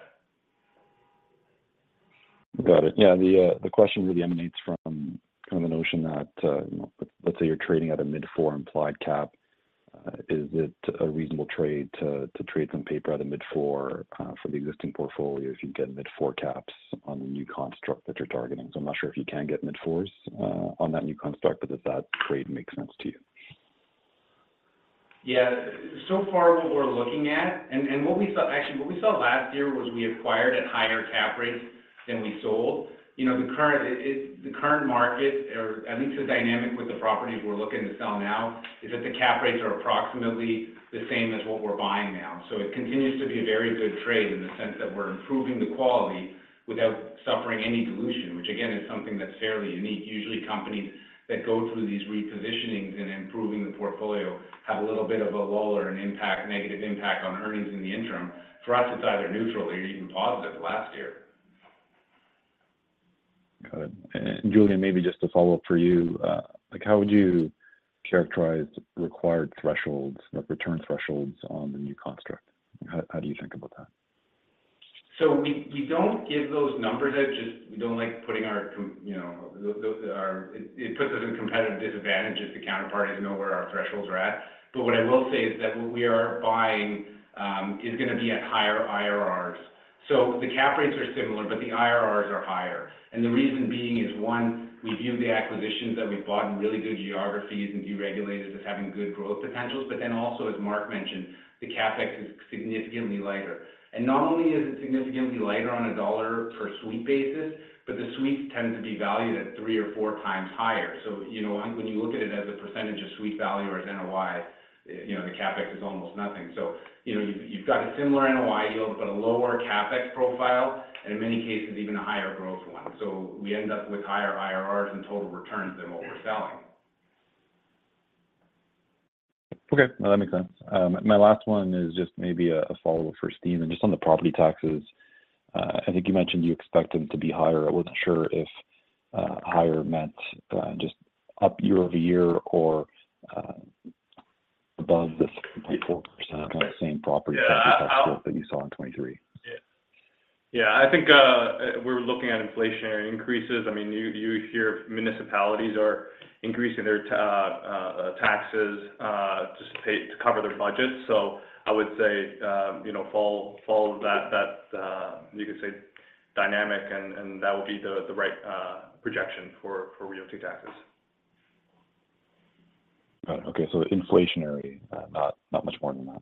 in the toolbox. Got it. Yeah, the question really emanates from kind of a notion that, you know, let's say you're trading at a mid-four implied cap. Is it a reasonable trade to trade some paper at a mid-four for the existing portfolio if you get mid-four caps on the new construct that you're targeting? So I'm not sure if you can get mid-fours on that new construct, but if that trade makes sense to you. Yeah. So far, what we're looking at, and what we saw, actually, what we saw last year was we acquired at higher cap rates than we sold. You know, the current market, or at least the dynamic with the properties we're looking to sell now, is that the cap rates are approximately the same as what we're buying now. So it continues to be a very good trade in the sense that we're improving the quality without suffering any dilution, which again, is something that's fairly unique. Usually, companies that go through these repositionings and improving the portfolio have a little bit of a lull or an impact, negative impact on earnings in the interim. For us, it's either neutral or even positive last year. Got it. And Julian, maybe just to follow up for you, like, how would you characterize the required thresholds, the return thresholds on the new construct? How, how do you think about that? So we don't give those numbers out, just we don't like putting our com-- you know, those are... It puts us in competitive disadvantage if the counterparties know where our thresholds are at. But what I will say is that what we are buying is going to be at higher IRRs. So the cap rates are similar, but the IRRs are higher. And the reason being is, one, we view the acquisitions that we've bought in really good geographies and deregulated as having good growth potentials. But then also, as Mark mentioned, the CapEx is significantly lighter. And not only is it significantly lighter on a dollar per suite basis, but the suites tend to be valued at three or four times higher. So you know, when you look at it as a percentage of suite value or as NOI, you know, the CapEx is almost nothing. So, you know, you've got a similar NOI yield, but a lower CapEx profile, and in many cases, even a higher growth one. So we end up with higher IRRs and total returns than what we're selling. Okay, that makes sense. My last one is just maybe a follow-up for Steve, and just on the property taxes. I think you mentioned you expect them to be higher. I wasn't sure if higher meant just up year-over-year or above the 6.4% kind of same property tax that you saw in 2023. Yeah. I think we're looking at inflationary increases. I mean, you hear municipalities are increasing their taxes just to pay to cover their budgets. So I would say, you know, follow that dynamic, and that would be the right projection for realty taxes. Got it. Okay, so inflationary, not, not much more than that.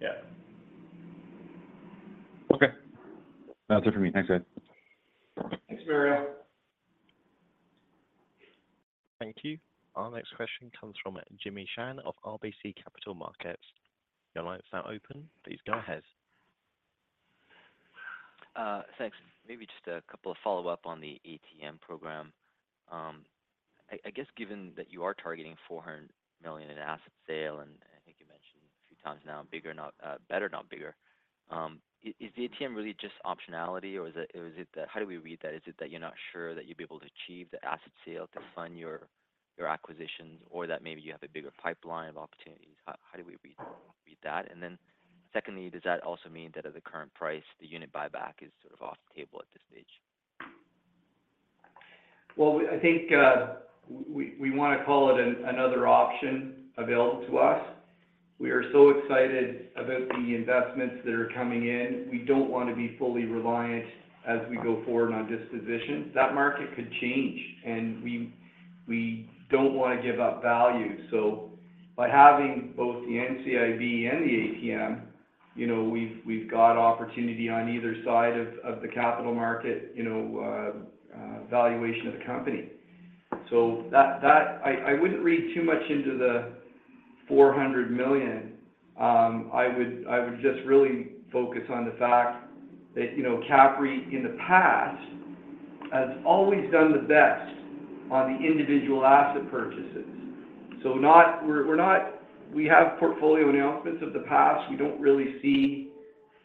Yeah. Okay. That's it for me. Thanks, guys. Thanks, Mario. Thank you. Our next question comes from Jimmy Shan of RBC Capital Markets. Your line is now open. Please go ahead.... Thanks. Maybe just a couple of follow-up on the ATM program. I guess given that you are targeting 400 million in asset sale, and I think you mentioned a few times now, bigger, not, better, not bigger, is the ATM really just optionality, or is it that how do we read that? Is it that you're not sure that you'd be able to achieve the asset sale to fund your, your acquisitions, or that maybe you have a bigger pipeline of opportunities? How do we read that? And then secondly, does that also mean that at the current price, the unit buyback is sort of off the table at this stage? Well, I think, we wanna call it another option available to us. We are so excited about the investments that are coming in. We don't want to be fully reliant as we go forward on disposition. That market could change, and we don't want to give up value. So by having both the NCIB and the ATM, you know, we've got opportunity on either side of the capital market, you know, valuation of the company. So that... I wouldn't read too much into the 400 million. I would just really focus on the fact that, you know, CAPREIT in the past has always done the best on the individual asset purchases. So not-- we're not-- We have portfolio announcements of the past. We don't really see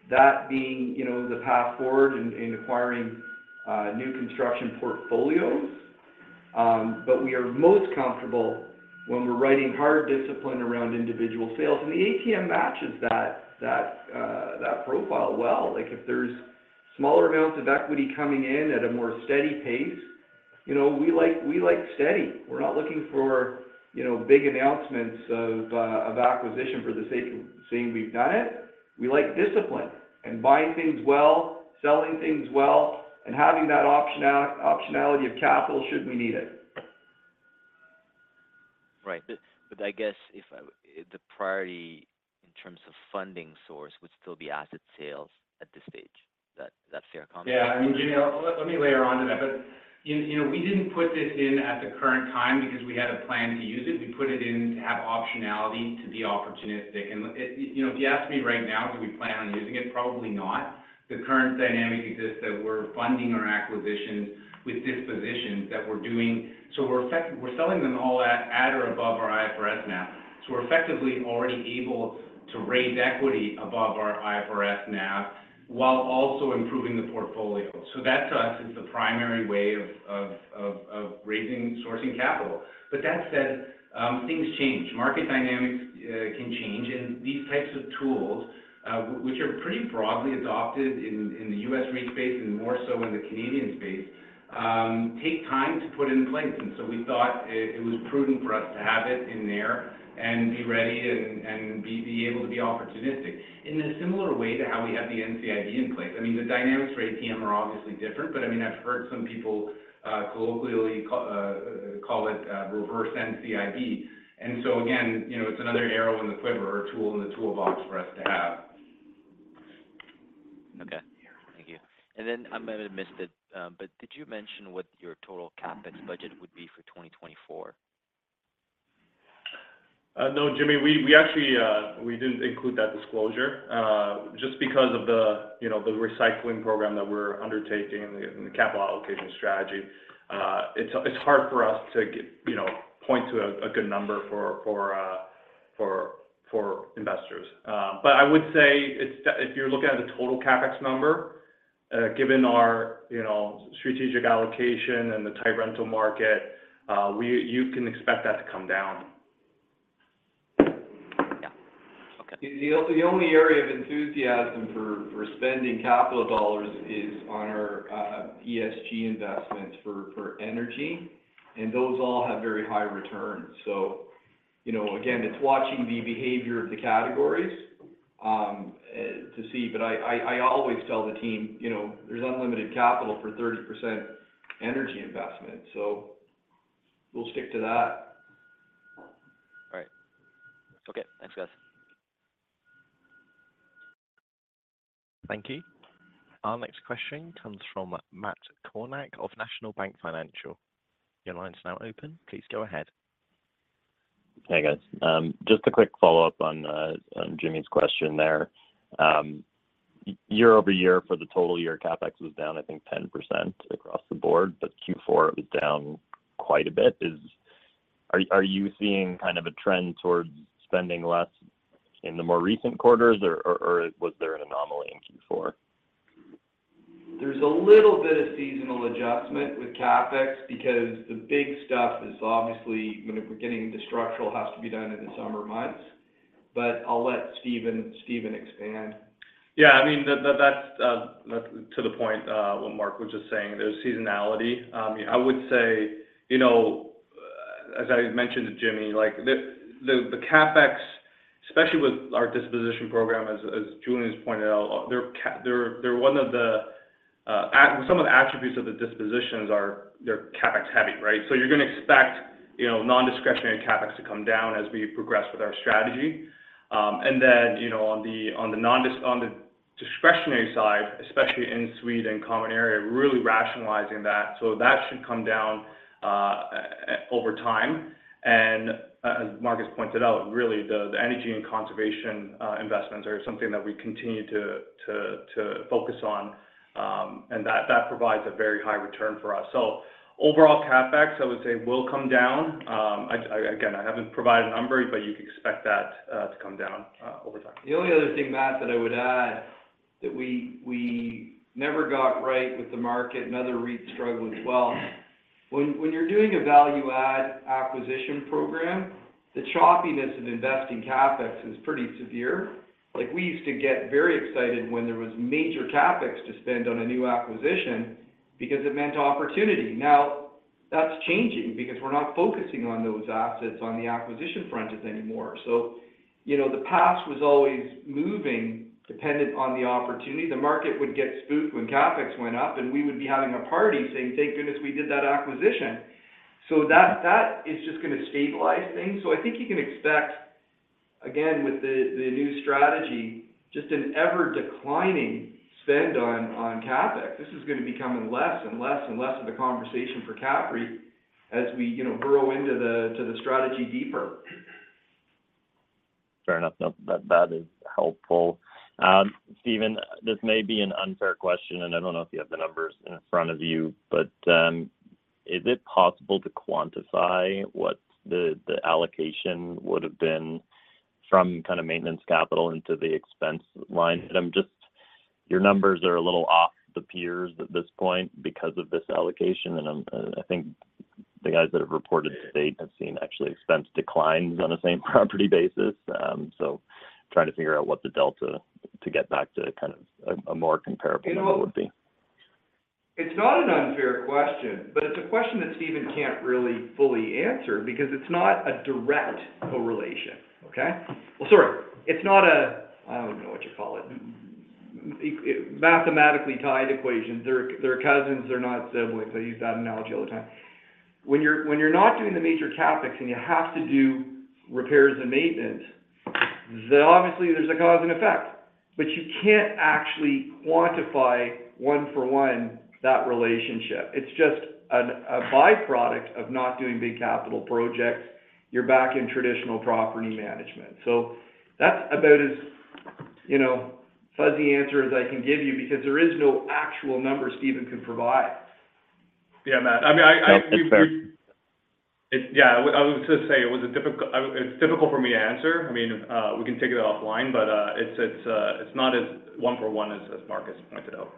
that being, you know, the path forward in acquiring new construction portfolios. But we are most comfortable when we're with hard discipline around individual sales, and the ATM matches that profile well. Like, if there's smaller amounts of equity coming in at a more steady pace, you know, we like, we like steady. We're not looking for, you know, big announcements of acquisition for the sake of saying we've done it. We like discipline and buying things well, selling things well, and having that optionality of capital should we need it. Right. But I guess if the priority in terms of funding source would still be asset sales at this stage. Is that fair comment? Yeah, I mean, Jimmy, let me layer on to that. But you know, we didn't put this in at the current time because we had a plan to use it. We put it in to have optionality, to be opportunistic. And you know, if you ask me right now, do we plan on using it? Probably not. The current dynamic exists that we're funding our acquisitions with dispositions that we're doing. So we're effectively selling them all at or above our IFRS now. So we're effectively already able to raise equity above our IFRS now, while also improving the portfolio. So that, to us, is the primary way of raising, sourcing capital. But that said, things change. Market dynamics can change, and these types of tools, which are pretty broadly adopted in the U.S. REIT space and more so in the Canadian space, take time to put in place. And so we thought it was prudent for us to have it in there and be ready and be able to be opportunistic in a similar way to how we have the NCIB in place. I mean, the dynamics for ATM are obviously different, but I mean, I've heard some people colloquially call it reverse NCIB. And so again, you know, it's another arrow in the quiver or tool in the toolbox for us to have. Okay, thank you. Then I might have missed it, but did you mention what your total CapEx budget would be for 2024? No, Jimmy. We actually didn't include that disclosure just because of the, you know, the recycling program that we're undertaking and the, and the capital allocation strategy. It's hard for us to get you know, point to a good number for investors. But I would say it's if you're looking at the total CapEx number, given our, you know, strategic allocation and the tight rental market, you can expect that to come down. Yeah. Okay. The only area of enthusiasm for spending capital dollars is on our ESG investments for energy, and those all have very high returns. So, you know, again, it's watching the behavior of the categories to see. But I always tell the team, you know, there's unlimited capital for 30% energy investment, so we'll stick to that. All right. Okay, thanks, guys. Thank you. Our next question comes from Matt Kornack of National Bank Financial. Your line is now open. Please go ahead. Hey, guys. Just a quick follow-up on Jimmy's question there. Year-over-year, for the total year, CapEx was down, I think, 10% across the board, but Q4 was down quite a bit. Are you seeing kind of a trend towards spending less in the more recent quarters, or was there an anomaly in Q4? There's a little bit of seasonal adjustment with CapEx, because the big stuff is obviously when if we're getting the structural has to be done in the summer months. But I'll let Stephen, Stephen expand. Yeah, I mean, that's to the point what Mark was just saying. There's seasonality. I would say, you know, as I mentioned to Jimmy, like, the CapEx, especially with our disposition program, as Julian has pointed out, some of the attributes of the dispositions are, they're CapEx heavy, right? So you're going to expect, you know, non-discretionary CapEx to come down as we progress with our strategy. And then, you know, on the discretionary side, especially in suite and common area, really rationalizing that. So that should come down.... over time. And, as Mark has pointed out, really, the energy and conservation investments are something that we continue to focus on, and that provides a very high return for us. So overall CapEx, I would say, will come down. Again, I haven't provided a number, but you can expect that to come down over time. The only other thing, Matt, that I would add, that we never got right with the market, and other REITs struggle as well. When you're doing a value add acquisition program, the choppiness of investing CapEx is pretty severe. Like, we used to get very excited when there was major CapEx to spend on a new acquisition because it meant opportunity. Now, that's changing because we're not focusing on those assets on the acquisition front anymore. So, you know, the past was always moving dependent on the opportunity. The market would get spooked when CapEx went up, and we would be having a party saying, "Thank goodness we did that acquisition." So that, that is just going to stabilize things. So I think you can expect, again, with the new strategy, just an ever-declining spend on CapEx. This is going to become less and less and less of a conversation for CAPREIT as we, you know, grow into the, to the strategy deeper. Fair enough. That, that is helpful. Steven, this may be an unfair question, and I don't know if you have the numbers in front of you, but, is it possible to quantify what the, the allocation would have been from kind of maintenance capital into the expense line? And I'm just... Your numbers are a little off the peers at this point because of this allocation, and I'm, I think the guys that have reported to date have seen actually expense declines on the same property basis. So trying to figure out what the delta to get back to kind of a, a more comparable number would be. You know, it's not an unfair question, but it's a question that Stephen can't really fully answer because it's not a direct correlation, okay? Well, sorry, it's not a, I don't know what you call it, mathematically tied equation. They're cousins, they're not siblings. I use that analogy all the time. When you're not doing the major CapEx, and you have to do repairs and maintenance, then obviously there's a cause and effect, but you can't actually quantify one-for-one that relationship. It's just an, a by-product of not doing big capital projects. You're back in traditional property management. So that's about as, you know, fuzzy answer as I can give you because there is no actual number Stephen can provide. Yeah, Matt, I mean... Yep, that's fair. Yeah, I was going to say it was difficult. It's difficult for me to answer. I mean, we can take it offline, but it's not as one-for-one as Marcus pointed out.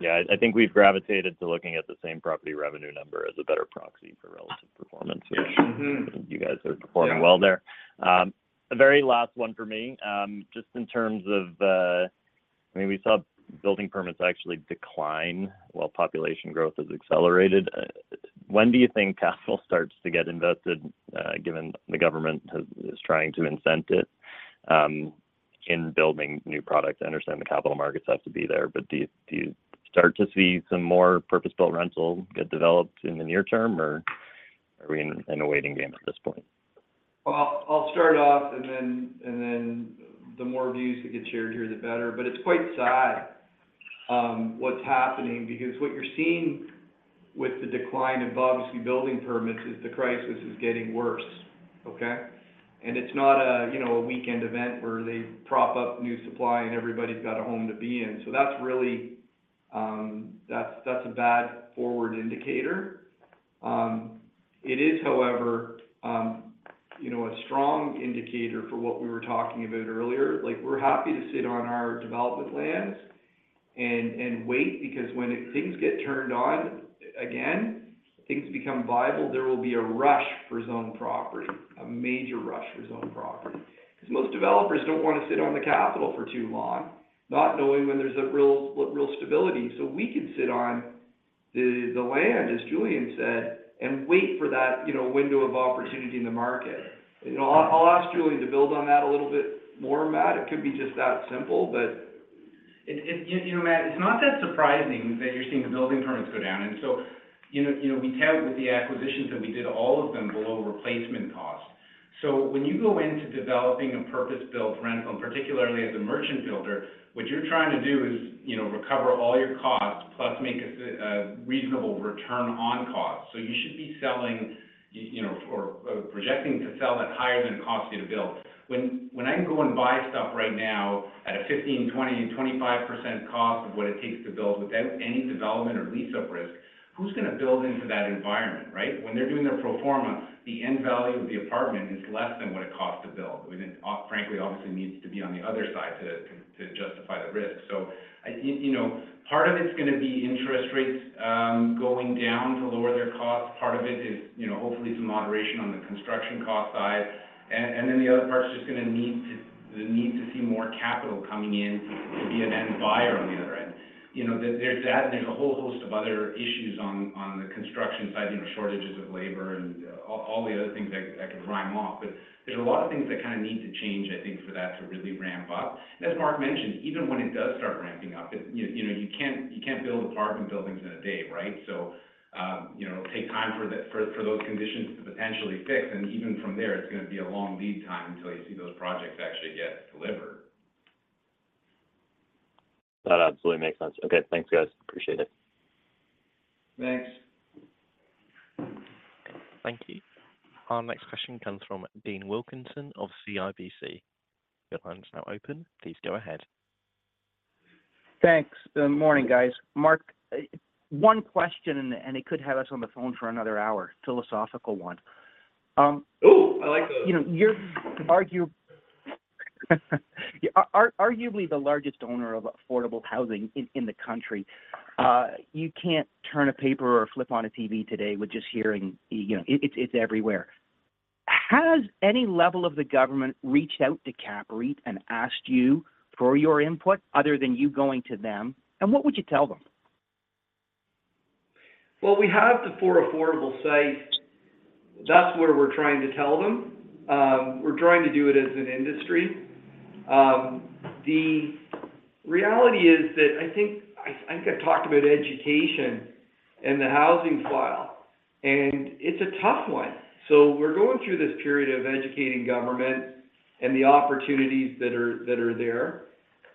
Yeah, I think we've gravitated to looking at the same property revenue number as a better proxy for relative performance. Mm-hmm. Mm-hmm. You guys are performing well there. Yeah. A very last one for me. Just in terms of, I mean, we saw building permits actually decline while population growth has accelerated. When do you think capital starts to get invested, given the government is trying to incent it, in building new products? I understand the capital markets have to be there, but do you start to see some more purpose-built rental get developed in the near term, or are we in a waiting game at this point? Well, I'll start off, and then the more views that get shared here, the better, but it's quite sad what's happening because what you're seeing with the decline in BC building permits is the crisis is getting worse, okay? And it's not a, you know, a weekend event where they prop up new supply, and everybody's got a home to be in. So that's really a bad forward indicator. It is, however, you know, a strong indicator for what we were talking about earlier. Like, we're happy to sit on our development lands and wait because when it things get turned on again, things become viable, there will be a rush for zoned property, a major rush for zoned property. Because most developers don't want to sit on the capital for too long, not knowing when there's a real, real stability. So we can sit on the land, as Julian said, and wait for that, you know, window of opportunity in the market. You know, I'll ask Julian to build on that a little bit more, Matt. It could be just that simple, but- You know, Matt, it's not that surprising that you're seeing the building permits go down. So, you know, we count with the acquisitions that we did, all of them below replacement cost. So when you go into developing a purpose-built rental, and particularly as a merchant builder, what you're trying to do is, you know, recover all your costs, plus make a reasonable return on cost. So you should be selling, you know, or projecting to sell it higher than it costs you to build. When I go and buy stuff right now at a 15%-25% cost of what it takes to build without any development or lease-up risk, who's going to build into that environment, right? When they're doing their pro forma, the end value of the apartment is less than what it costs to build. We then, frankly, obviously, needs to be on the other side to, to justify the risk. So I, you know, part of it's going to be interest rates, going down to lower their costs. Part of it is, you know, hopefully, some moderation on the construction cost side. And, and then the other part is just going to need to see more capital coming in to be an end buyer on the other end. You know, there, there's that, and there's a whole host of other issues on, on the construction side, you know, shortages of labor and all, all the other things I, I could rhyme off. But there's a lot of things that kind of need to change, I think, for that to really ramp up. As Mark mentioned, even when it does start ramping up, it, you know, you can't, you can't build apartment buildings in a day, right? So, you know, it'll take time for those conditions to potentially fix, and even from there, it's going to be a long lead time until you see those projects actually get delivered. ... That absolutely makes sense. Okay, thanks, guys. Appreciate it. Thanks. Thank you. Our next question comes from Dean Wilkinson of CIBC. Your line is now open. Please go ahead. Thanks, and morning, guys. Mark, one question, and, and it could have us on the phone for another hour, philosophical one. Ooh, I like those! You know, you're arguably the largest owner of affordable housing in the country. You can't turn a paper or flip on a TV today with just hearing, you know, it's everywhere. Has any level of the government reached out to CAPREIT and asked you for your input, other than you going to them, and what would you tell them? Well, we have the for affordable sites. That's where we're trying to tell them. We're trying to do it as an industry. The reality is that I think I talked about education and the housing file, and it's a tough one. So we're going through this period of educating government and the opportunities that are there.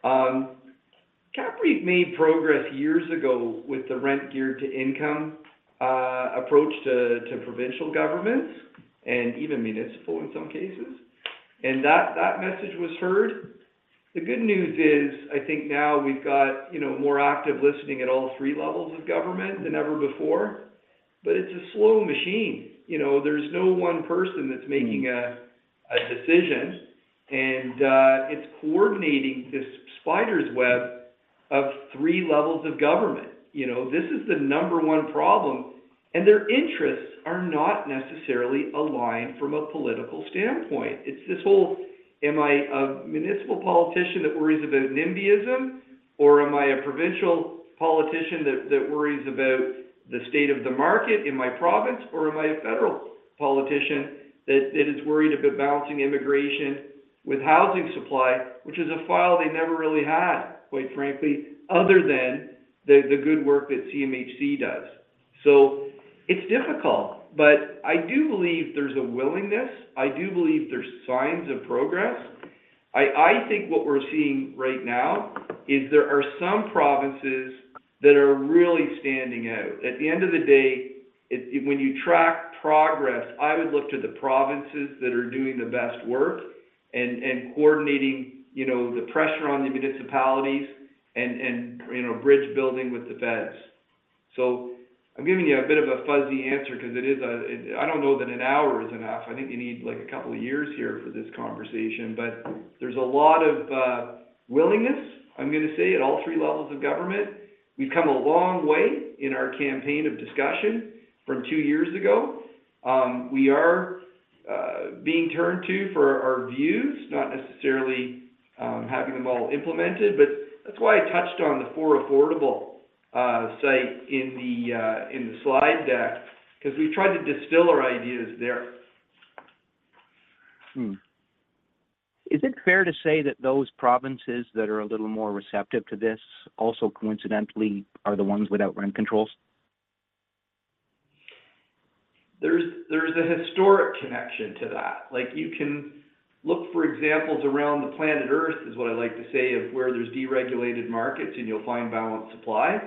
CAPREIT made progress years ago with the rent geared to income approach to provincial governments and even municipal in some cases, and that message was heard. The good news is, I think now we've got, you know, more active listening at all three levels of government than ever before, but it's a slow machine. You know, there's no one person that's making a decision, and it's coordinating this spider's web of three levels of government. You know, this is the number one problem, and their interests are not necessarily aligned from a political standpoint. It's this whole, am I a municipal politician that worries about Nimbyism, or am I a provincial politician that, that worries about the state of the market in my province? Or am I a federal politician that, that is worried about balancing immigration with housing supply, which is a file they never really had, quite frankly, other than the, the good work that CMHC does. So it's difficult, but I do believe there's a willingness. I do believe there's signs of progress. I, I think what we're seeing right now is there are some provinces that are really standing out. At the end of the day, it... When you track progress, I would look to the provinces that are doing the best work and coordinating, you know, the pressure on the municipalities and, you know, bridge building with the feds. So I'm giving you a bit of a fuzzy answer because I don't know that an hour is enough. I think you need, like, a couple of years here for this conversation, but there's a lot of willingness, I'm going to say, at all three levels of government. We've come a long way in our campaign of discussion from two years ago. We are being turned to for our views, not necessarily having them all implemented, but that's why I touched on the foraffordable.ca site in the slide deck, because we've tried to distill our ideas there. Hmm. Is it fair to say that those provinces that are a little more receptive to this also coincidentally are the ones without rent controls? There's a historic connection to that. Like, you can look for examples around the planet Earth, is what I like to say, of where there's deregulated markets, and you'll find balanced supply.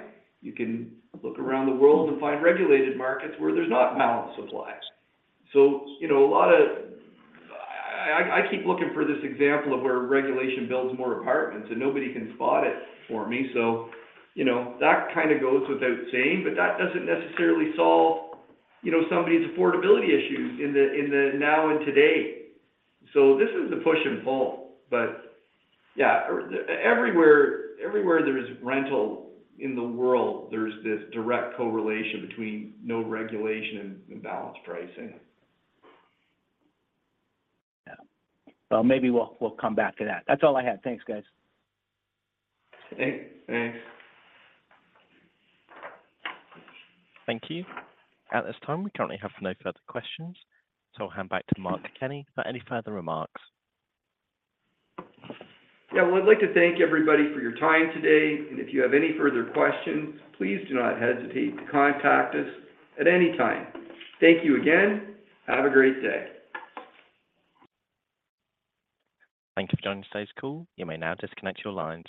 You can look around the world and find regulated markets where there's not balanced supply. So, you know, I keep looking for this example of where regulation builds more apartments, and nobody can spot it for me. So, you know, that kind of goes without saying, but that doesn't necessarily solve, you know, somebody's affordability issues in the, in the now and today. So this is a push and pull, but yeah, everywhere there is rental in the world, there's this direct correlation between no regulation and balanced pricing. Yeah. Well, maybe we'll, we'll come back to that. That's all I had. Thanks, guys. Okay. Thanks. Thank you. At this time, we currently have no further questions, so I'll hand back to Mark Kenney for any further remarks. Yeah. Well, I'd like to thank everybody for your time today, and if you have any further questions, please do not hesitate to contact us at any time. Thank you again. Have a great day. Thank you for joining today's call. You may now disconnect your lines.